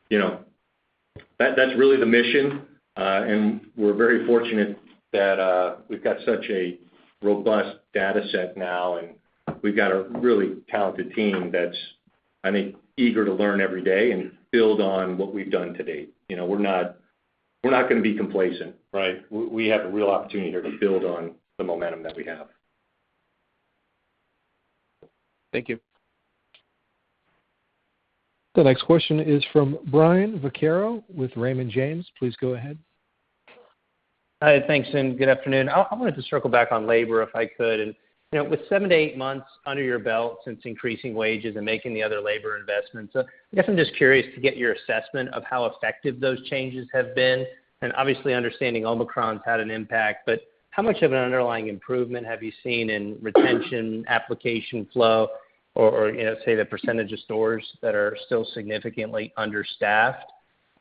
You know, that's really the mission. We're very fortunate that we've got such a robust data set now, and we've got a really talented team that's, I think, eager to learn every day and build on what we've done to date. You know, we're not gonna be complacent, right? We have a real opportunity here to build on the momentum that we have. Thank you. The next question is from Brian Vaccaro with Raymond James. Please go ahead. Hi. Thanks, and good afternoon. I wanted to circle back on labor, if I could. You know, with seven to eight months under your belt since increasing wages and making the other labor investments, I guess I'm just curious to get your assessment of how effective those changes have been. Obviously, understanding Omicron's had an impact, but how much of an underlying improvement have you seen in retention, application flow or you know, say, the percentage of stores that are still significantly understaffed?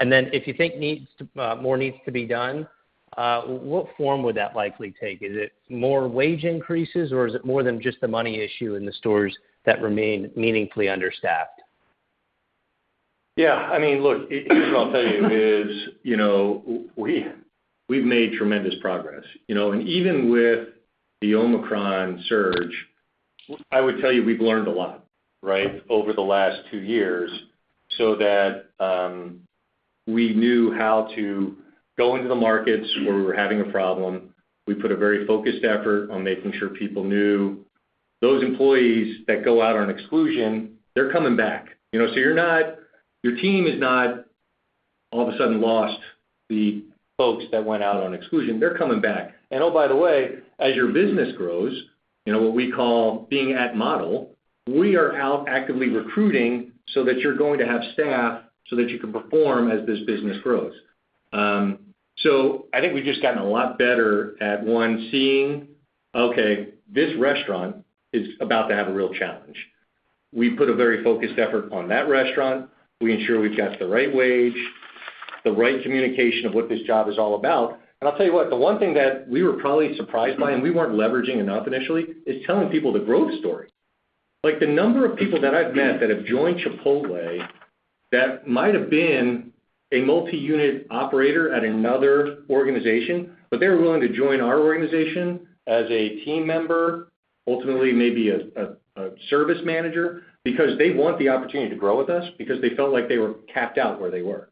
Then if you think more needs to be done, what form would that likely take? Is it more wage increases, or is it more than just the money issue in the stores that remain meaningfully understaffed? Yeah. I mean, look, here's what I'll tell you is, you know, we've made tremendous progress, you know. Even with the Omicron surge, I would tell you we've learned a lot, right, over the last two years, so that we knew how to go into the markets where we were having a problem. We put a very focused effort on making sure people knew those employees that go out on exclusion, they're coming back. You know, so your team is not all of a sudden lost the folks that went out on exclusion. They're coming back. Oh, by the way, as your business grows, you know, what we call being at A model, we are out actively recruiting so that you're going to have staff so that you can perform as this business grows. I think we've just gotten a lot better at, one, seeing, okay, this restaurant is about to have a real challenge. We put a very focused effort on that restaurant. We ensure we've got the right wage, the right communication of what this job is all about. I'll tell you what, the one thing that we were probably surprised by, and we weren't leveraging enough initially, is telling people the growth story. Like, the number of people that I've met that have joined Chipotle that might have been a multi-unit operator at another organization, but they were willing to join our organization as a team member, ultimately maybe a service manager because they want the opportunity to grow with us because they felt like they were capped out where they were.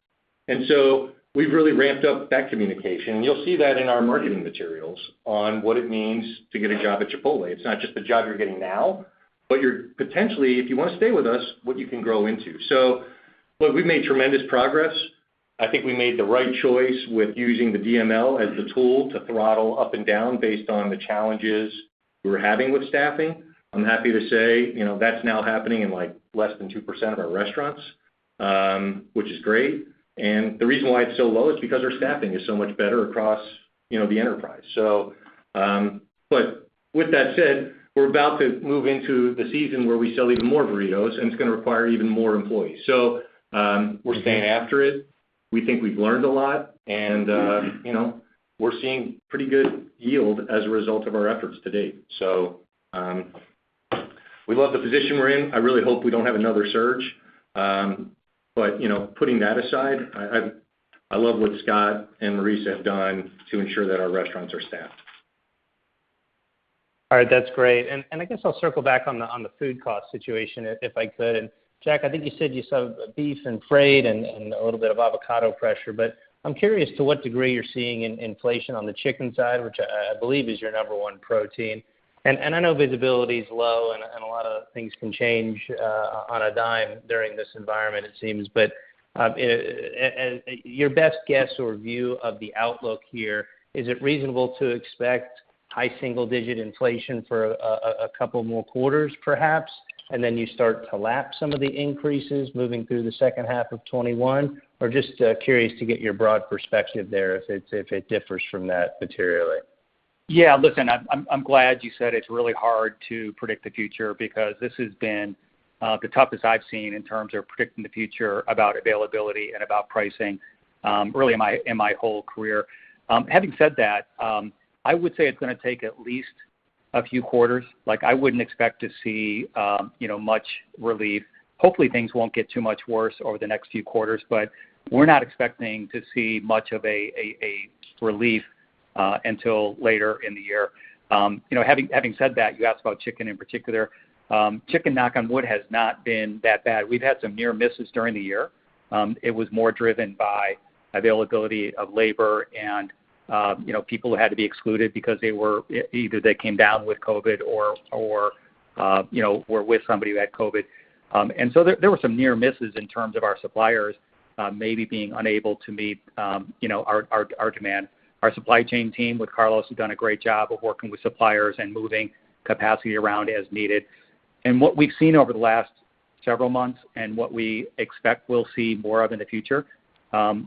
We've really ramped up that communication. You'll see that in our marketing materials on what it means to get a job at Chipotle. It's not just the job you're getting now, but you're potentially, if you want to stay with us, what you can grow into. Look, we've made tremendous progress. I think we made the right choice with using the DML as the tool to throttle up and down based on the challenges we were having with staffing. I'm happy to say, you know, that's now happening in, like, less than 2% of our restaurants, which is great. The reason why it's so low is because our staffing is so much better across, you know, the enterprise. With that said, we're about to move into the season where we sell even more burritos, and it's gonna require even more employees so we're staying after it. We think we've learned a lot, and you know, we're seeing pretty good yield as a result of our efforts to date. We love the position we're in. I really hope we don't have another surge. You know, putting that aside, I love what Scott and Maurice have done to ensure that our restaurants are staffed. All right. That's great. I guess I'll circle back on the food cost situation, if I could. Jack, I think you said you saw beef and freight and a little bit of avocado pressure. I'm curious to what degree you're seeing inflation on the chicken side, which I believe is your number one protein. I know visibility is low and a lot of things can change on a dime during this environment, it seems. Your best guess or view of the outlook here, is it reasonable to expect high single-digit inflation for a couple more quarters perhaps, and then you start to lap some of the increases moving through the second half of 2021? Just curious to get your broad perspective there if it differs from that materially? Yeah. Listen, I'm glad you said it's really hard to predict the future because this has been the toughest I've seen in terms of predicting the future about availability and about pricing, really in my whole career. Having said that, I would say it's gonna take at least a few quarters. Like, I wouldn't expect to see, you know, much relief. Hopefully, things won't get too much worse over the next few quarters, but we're not expecting to see much of a relief until later in the year. You know, having said that, you asked about chicken in particular. Chicken, knock on wood, has not been that bad. We've had some near misses during the year. It was more driven by availability of labor and, you know, people who had to be excluded because they were either they came down with COVID or, you know, were with somebody who had COVID. There were some near misses in terms of our suppliers, maybe being unable to meet, you know, our demand. Our supply chain team with Carlos has done a great job of working with suppliers and moving capacity around as needed. What we've seen over the last several months and what we expect we'll see more of in the future,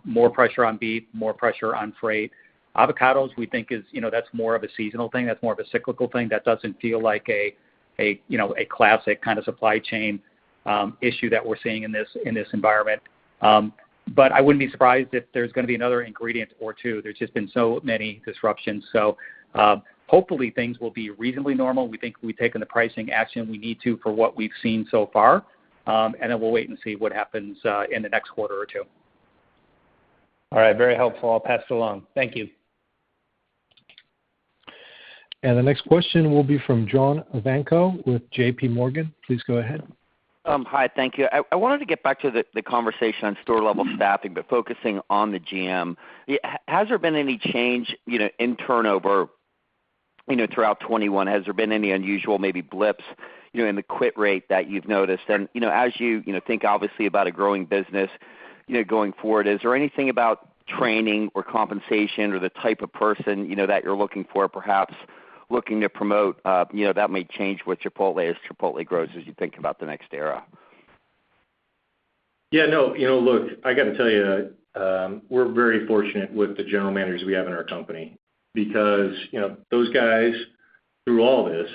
more pressure on beef, more pressure on freight. Avocados, we think, is, you know, that's more of a seasonal thing, that's more of a cyclical thing. That doesn't feel like a you know a classic kind of supply chain issue that we're seeing in this environment. But I wouldn't be surprised if there's gonna be another ingredient or two. There's just been so many disruptions. Hopefully things will be reasonably normal. We think we've taken the pricing action we need to for what we've seen so far and then we'll wait and see what happens in the next quarter or two. All right, very helpful. I'll pass it along. Thank you. The next question will be from John Ivankoe with JPMorgan. Please go ahead. Hi. Thank you. I wanted to get back to the conversation on store-level staffing, but focusing on the GM. Has there been any change, you know, in turnover, you know, throughout 2021? Has there been any unusual maybe blips, you know, in the quit rate that you've noticed? As you know, think obviously about a growing business, you know, going forward, is there anything about training or compensation or the type of person, you know, that you're looking for perhaps looking to promote, you know, that might change with Chipotle as Chipotle grows, as you think about the next era? Yeah, no. You know, look, I gotta tell you, we're very fortunate with the general managers we have in our company because, you know, those guys through all this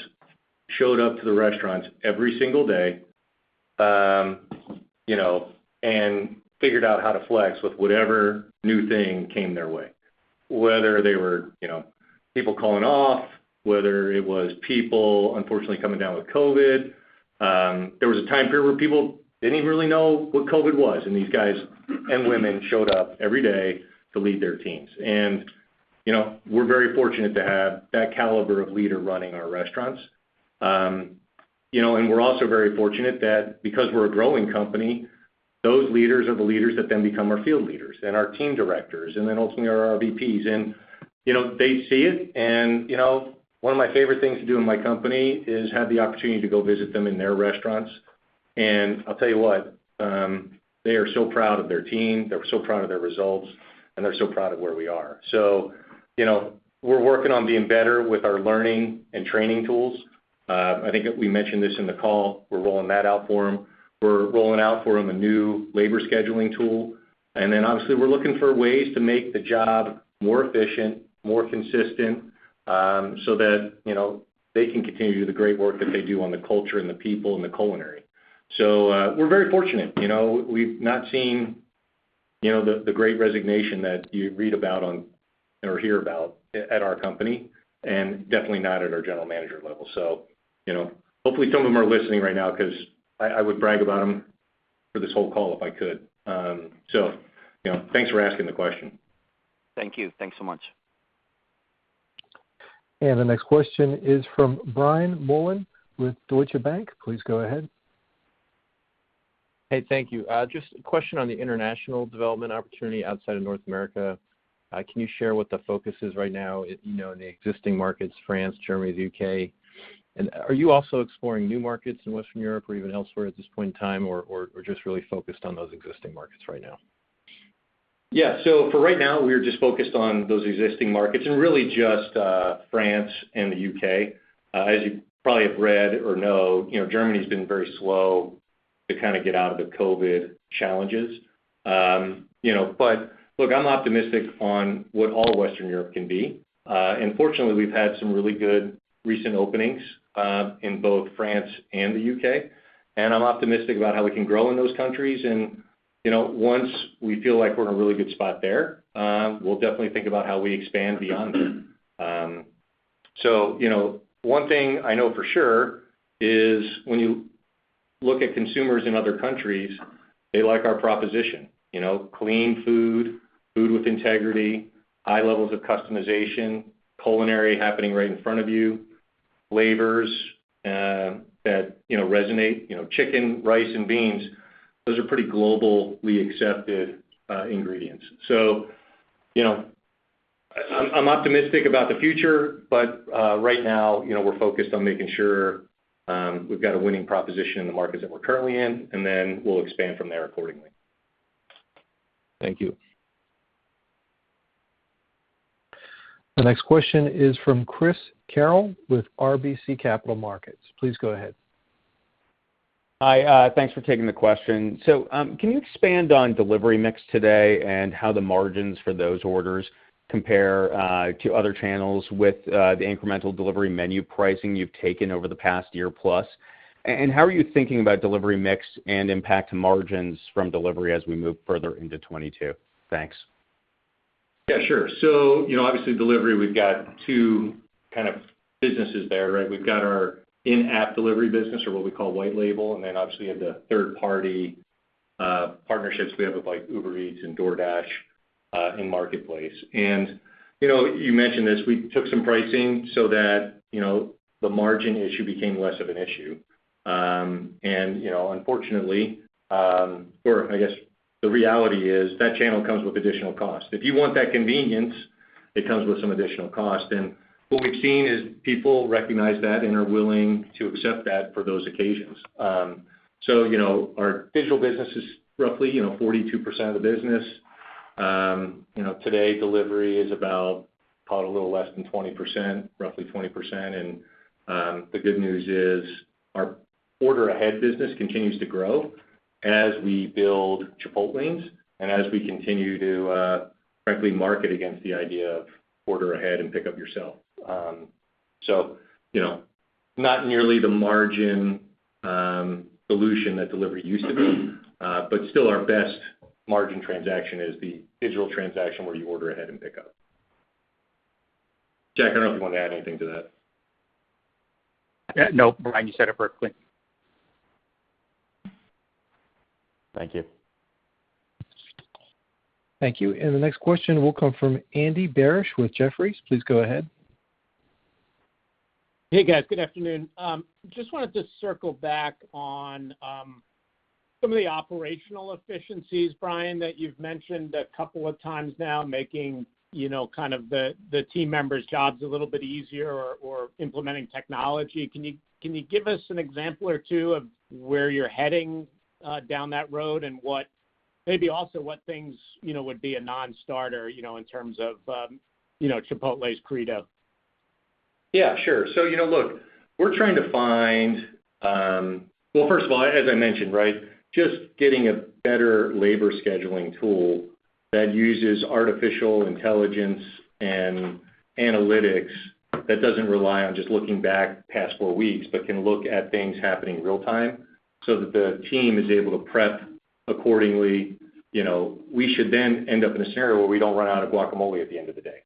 showed up to the restaurants every single day, you know, and figured out how to flex with whatever new thing came their way, whether they were, you know, people calling off, whether it was people unfortunately coming down with COVID. There was a time period where people didn't even really know what COVID was, and these guys and women showed up every day to lead their teams. You know, we're very fortunate to have that caliber of leader running our restaurants. You know, and we're also very fortunate that because we're a growing company, those leaders are the leaders that then become our field leaders and our team directors and then ultimately our VPs. You know, they see it. You know, one of my favorite things to do in my company is have the opportunity to go visit them in their restaurants. I'll tell you what, they are so proud of their team, they're so proud of their results, and they're so proud of where we are. You know, we're working on being better with our learning and training tools. I think we mentioned this in the call. We're rolling that out for them. We're rolling out for them a new labor scheduling tool. Then obviously, we're looking for ways to make the job more efficient, more consistent, so that, you know, they can continue to do the great work that they do on the culture and the people and the culinary. We're very fortunate. You know, we've not seen, you know, the great resignation that you read about on or hear about at our company, and definitely not at our general manager level. You know, hopefully, some of them are listening right now because I would brag about them for this whole call if I could. You know, thanks for asking the question. Thank you. Thanks so much. The next question is from Brian Mullan with Deutsche Bank. Please go ahead. Hey, thank you. Just a question on the international development opportunity outside of North America. Can you share what the focus is right now, you know, in the existing markets, France, Germany, the U.K.? Are you also exploring new markets in Western Europe or even elsewhere at this point in time, or just really focused on those existing markets right now? Yeah. For right now, we are just focused on those existing markets and really just France and the U.K. As you probably have read or know, you know, Germany's been very slow to kinda get out of the COVID challenges. Look, I'm optimistic on what all Western Europe can be. Fortunately, we've had some really good recent openings in both France and the U.K., and I'm optimistic about how we can grow in those countries. You know, once we feel like we're in a really good spot there, we'll definitely think about how we expand beyond it. You know, one thing I know for sure is when you look at consumers in other countries, they like our proposition. You know, clean food with integrity, high levels of customization, culinary happening right in front of you, flavors that, you know, resonate. You know, chicken, rice, and beans, those are pretty globally accepted ingredients. So, you know, I'm optimistic about the future. But right now, you know, we're focused on making sure we've got a winning proposition in the markets that we're currently in, and then we'll expand from there accordingly. Thank you. The next question is from Chris Carril with RBC Capital Markets. Please go ahead. Hi. Thanks for taking the question. Can you expand on delivery mix today and how the margins for those orders compare to other channels with the incremental delivery menu pricing you've taken over the past year plus? How are you thinking about delivery mix and impact to margins from delivery as we move further into 2022? Thanks. Yeah, sure. You know, obviously, delivery, we've got two kind of businesses there, right? We've got our in-app delivery business or what we call white label, and then obviously, we have the third-party partnerships we have with, like, Uber Eats and DoorDash, in Marketplace. You know, you mentioned this, we took some pricing so that, you know, the margin issue became less of an issue. You know, unfortunately, or I guess the reality is that channel comes with additional cost. If you want that convenience, it comes with some additional cost. What we've seen is people recognize that and are willing to accept that for those occasions. You know, our digital business is roughly, you know, 42% of the business. You know, today, delivery is about probably a little less than 20%, roughly 20%. The good news is our order ahead business continues to grow as we build Chipotlanes and as we continue to frankly market against the idea of order ahead and pick up yourself. You know, not nearly the margin dilution that delivery used to be, but still our best margin transaction is the digital transaction where you order ahead and pick up. Jack, I don't know if you want to add anything to that. No, Brian, you said it perfectly. Thank you. Thank you. The next question will come from Andy Barish with Jefferies. Please go ahead. Hey, guys. Good afternoon. Just wanted to circle back on some of the operational efficiencies, Brian, that you've mentioned a couple of times now, making you know kind of the team members' jobs a little bit easier or implementing technology. Can you give us an example or two of where you're heading down that road and what maybe also what things you know would be a non-starter you know in terms of you know Chipotle's credo? Yeah, sure. You know, look, we're trying to find. Well, first of all, as I mentioned, right, just getting a better labor scheduling tool that uses artificial intelligence and analytics that doesn't rely on just looking back the past four weeks, but can look at things happening in real time so that the team is able to prep accordingly. You know, we should then end up in a scenario where we don't run out of guacamole at the end of the day,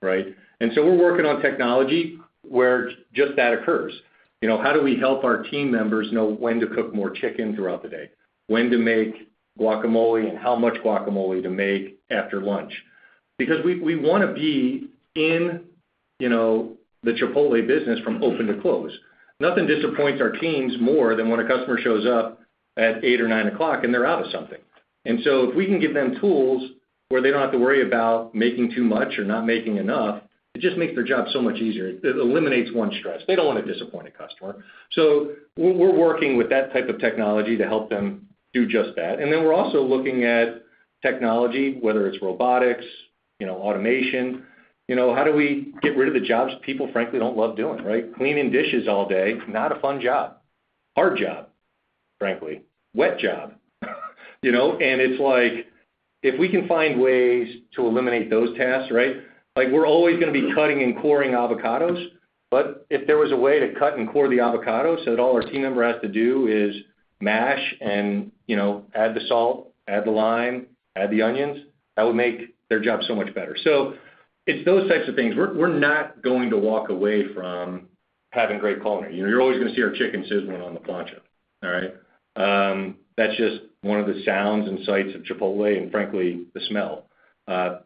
right? We're working on technology where just that occurs. You know, how do we help our team members know when to cook more chicken throughout the day, when to make guacamole, and how much guacamole to make after lunch? Because we wanna be in, you know, the Chipotle business from open to close. Nothing disappoints our teams more than when a customer shows up at eight or nine o'clock and they're out of something. If we can give them tools where they don't have to worry about making too much or not making enough, it just makes their job so much easier. It eliminates one stress. They don't wanna disappoint a customer. We're working with that type of technology to help them do just that. We're also looking at technology, whether it's robotics, you know, automation. You know, how do we get rid of the jobs people frankly don't love doing, right, cleaning dishes all day, not a fun job, hard job, frankly, wet job, you know. It's like, if we can find ways to eliminate those tasks, right, like, we're always gonna be cutting and coring avocados. If there was a way to cut and core the avocados so that all our team member has to do is mash and, you know, add the salt, add the lime, add the onions, that would make their job so much better. It's those types of things. We're not going to walk away from having great quality. You're always gonna see our chicken sizzling on the plancha. All right. That's just one of the sounds and sights of Chipotle and, frankly, the smell that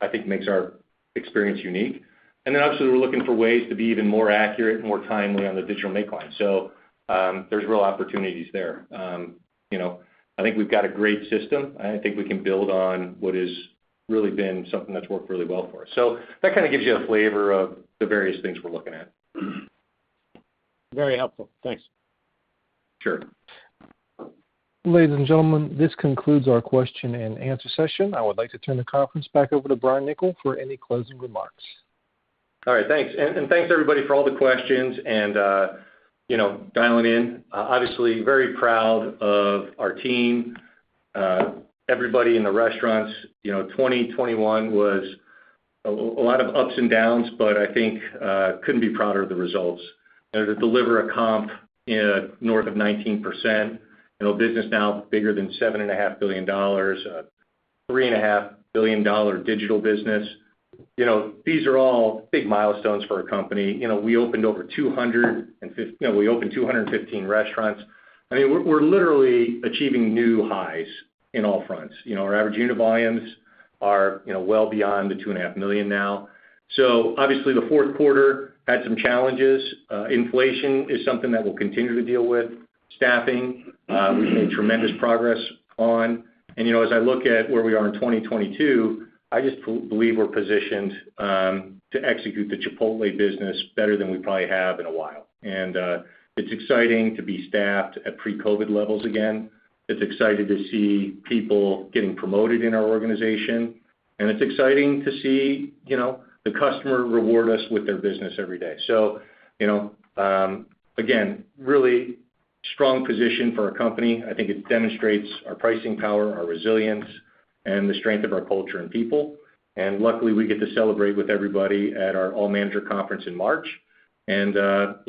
I think makes our experience unique. Obviously, we're looking for ways to be even more accurate and more timely on the digital make line. There's real opportunities there. You know, I think we've got a great system, and I think we can build on what has really been something that's worked really well for us. That kind of gives you a flavor of the various things we're looking at. Very helpful. Thanks. Sure. Ladies and gentlemen, this concludes our question and answer session. I would like to turn the conference back over to Brian Niccol for any closing remarks. All right. Thanks, everybody, for all the questions and, you know, dialing in. Obviously very proud of our team, everybody in the restaurants. You know, 2021 was a lot of ups and downs, but I think I couldn't be prouder of the results. To deliver a comp, you know, north of 19%, you know, business now bigger than $7.5 billion, $3.5 billion digital business. You know, these are all big milestones for our company. You know, we opened 215 restaurants. I mean, we're literally achieving new highs in all fronts. You know, our average unit volumes are, you know, well beyond the $2.5 million now. Obviously the fourth quarter had some challenges. Inflation is something that we'll continue to deal with. Staffing, we've made tremendous progress on. You know, as I look at where we are in 2022, I just believe we're positioned to execute the Chipotle business better than we probably have in a while. It's exciting to be staffed at pre-COVID levels again. It's exciting to see people getting promoted in our organization, and it's exciting to see, you know, the customer reward us with their business every day. You know, again, really strong position for our company. I think it demonstrates our pricing power, our resilience, and the strength of our culture and people. Luckily, we get to celebrate with everybody at our all manager conference in March. You know,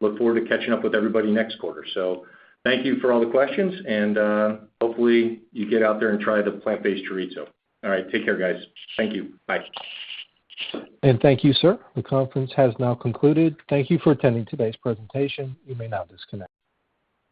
I look forward to catching up with everybody next quarter. Thank you for all the questions, and hopefully you get out there and try the Plant-Based Chorizo. All right. Take care, guys. Thank you. Bye. Thank you, sir. The conference has now concluded. Thank you for attending today's presentation. You may now disconnect.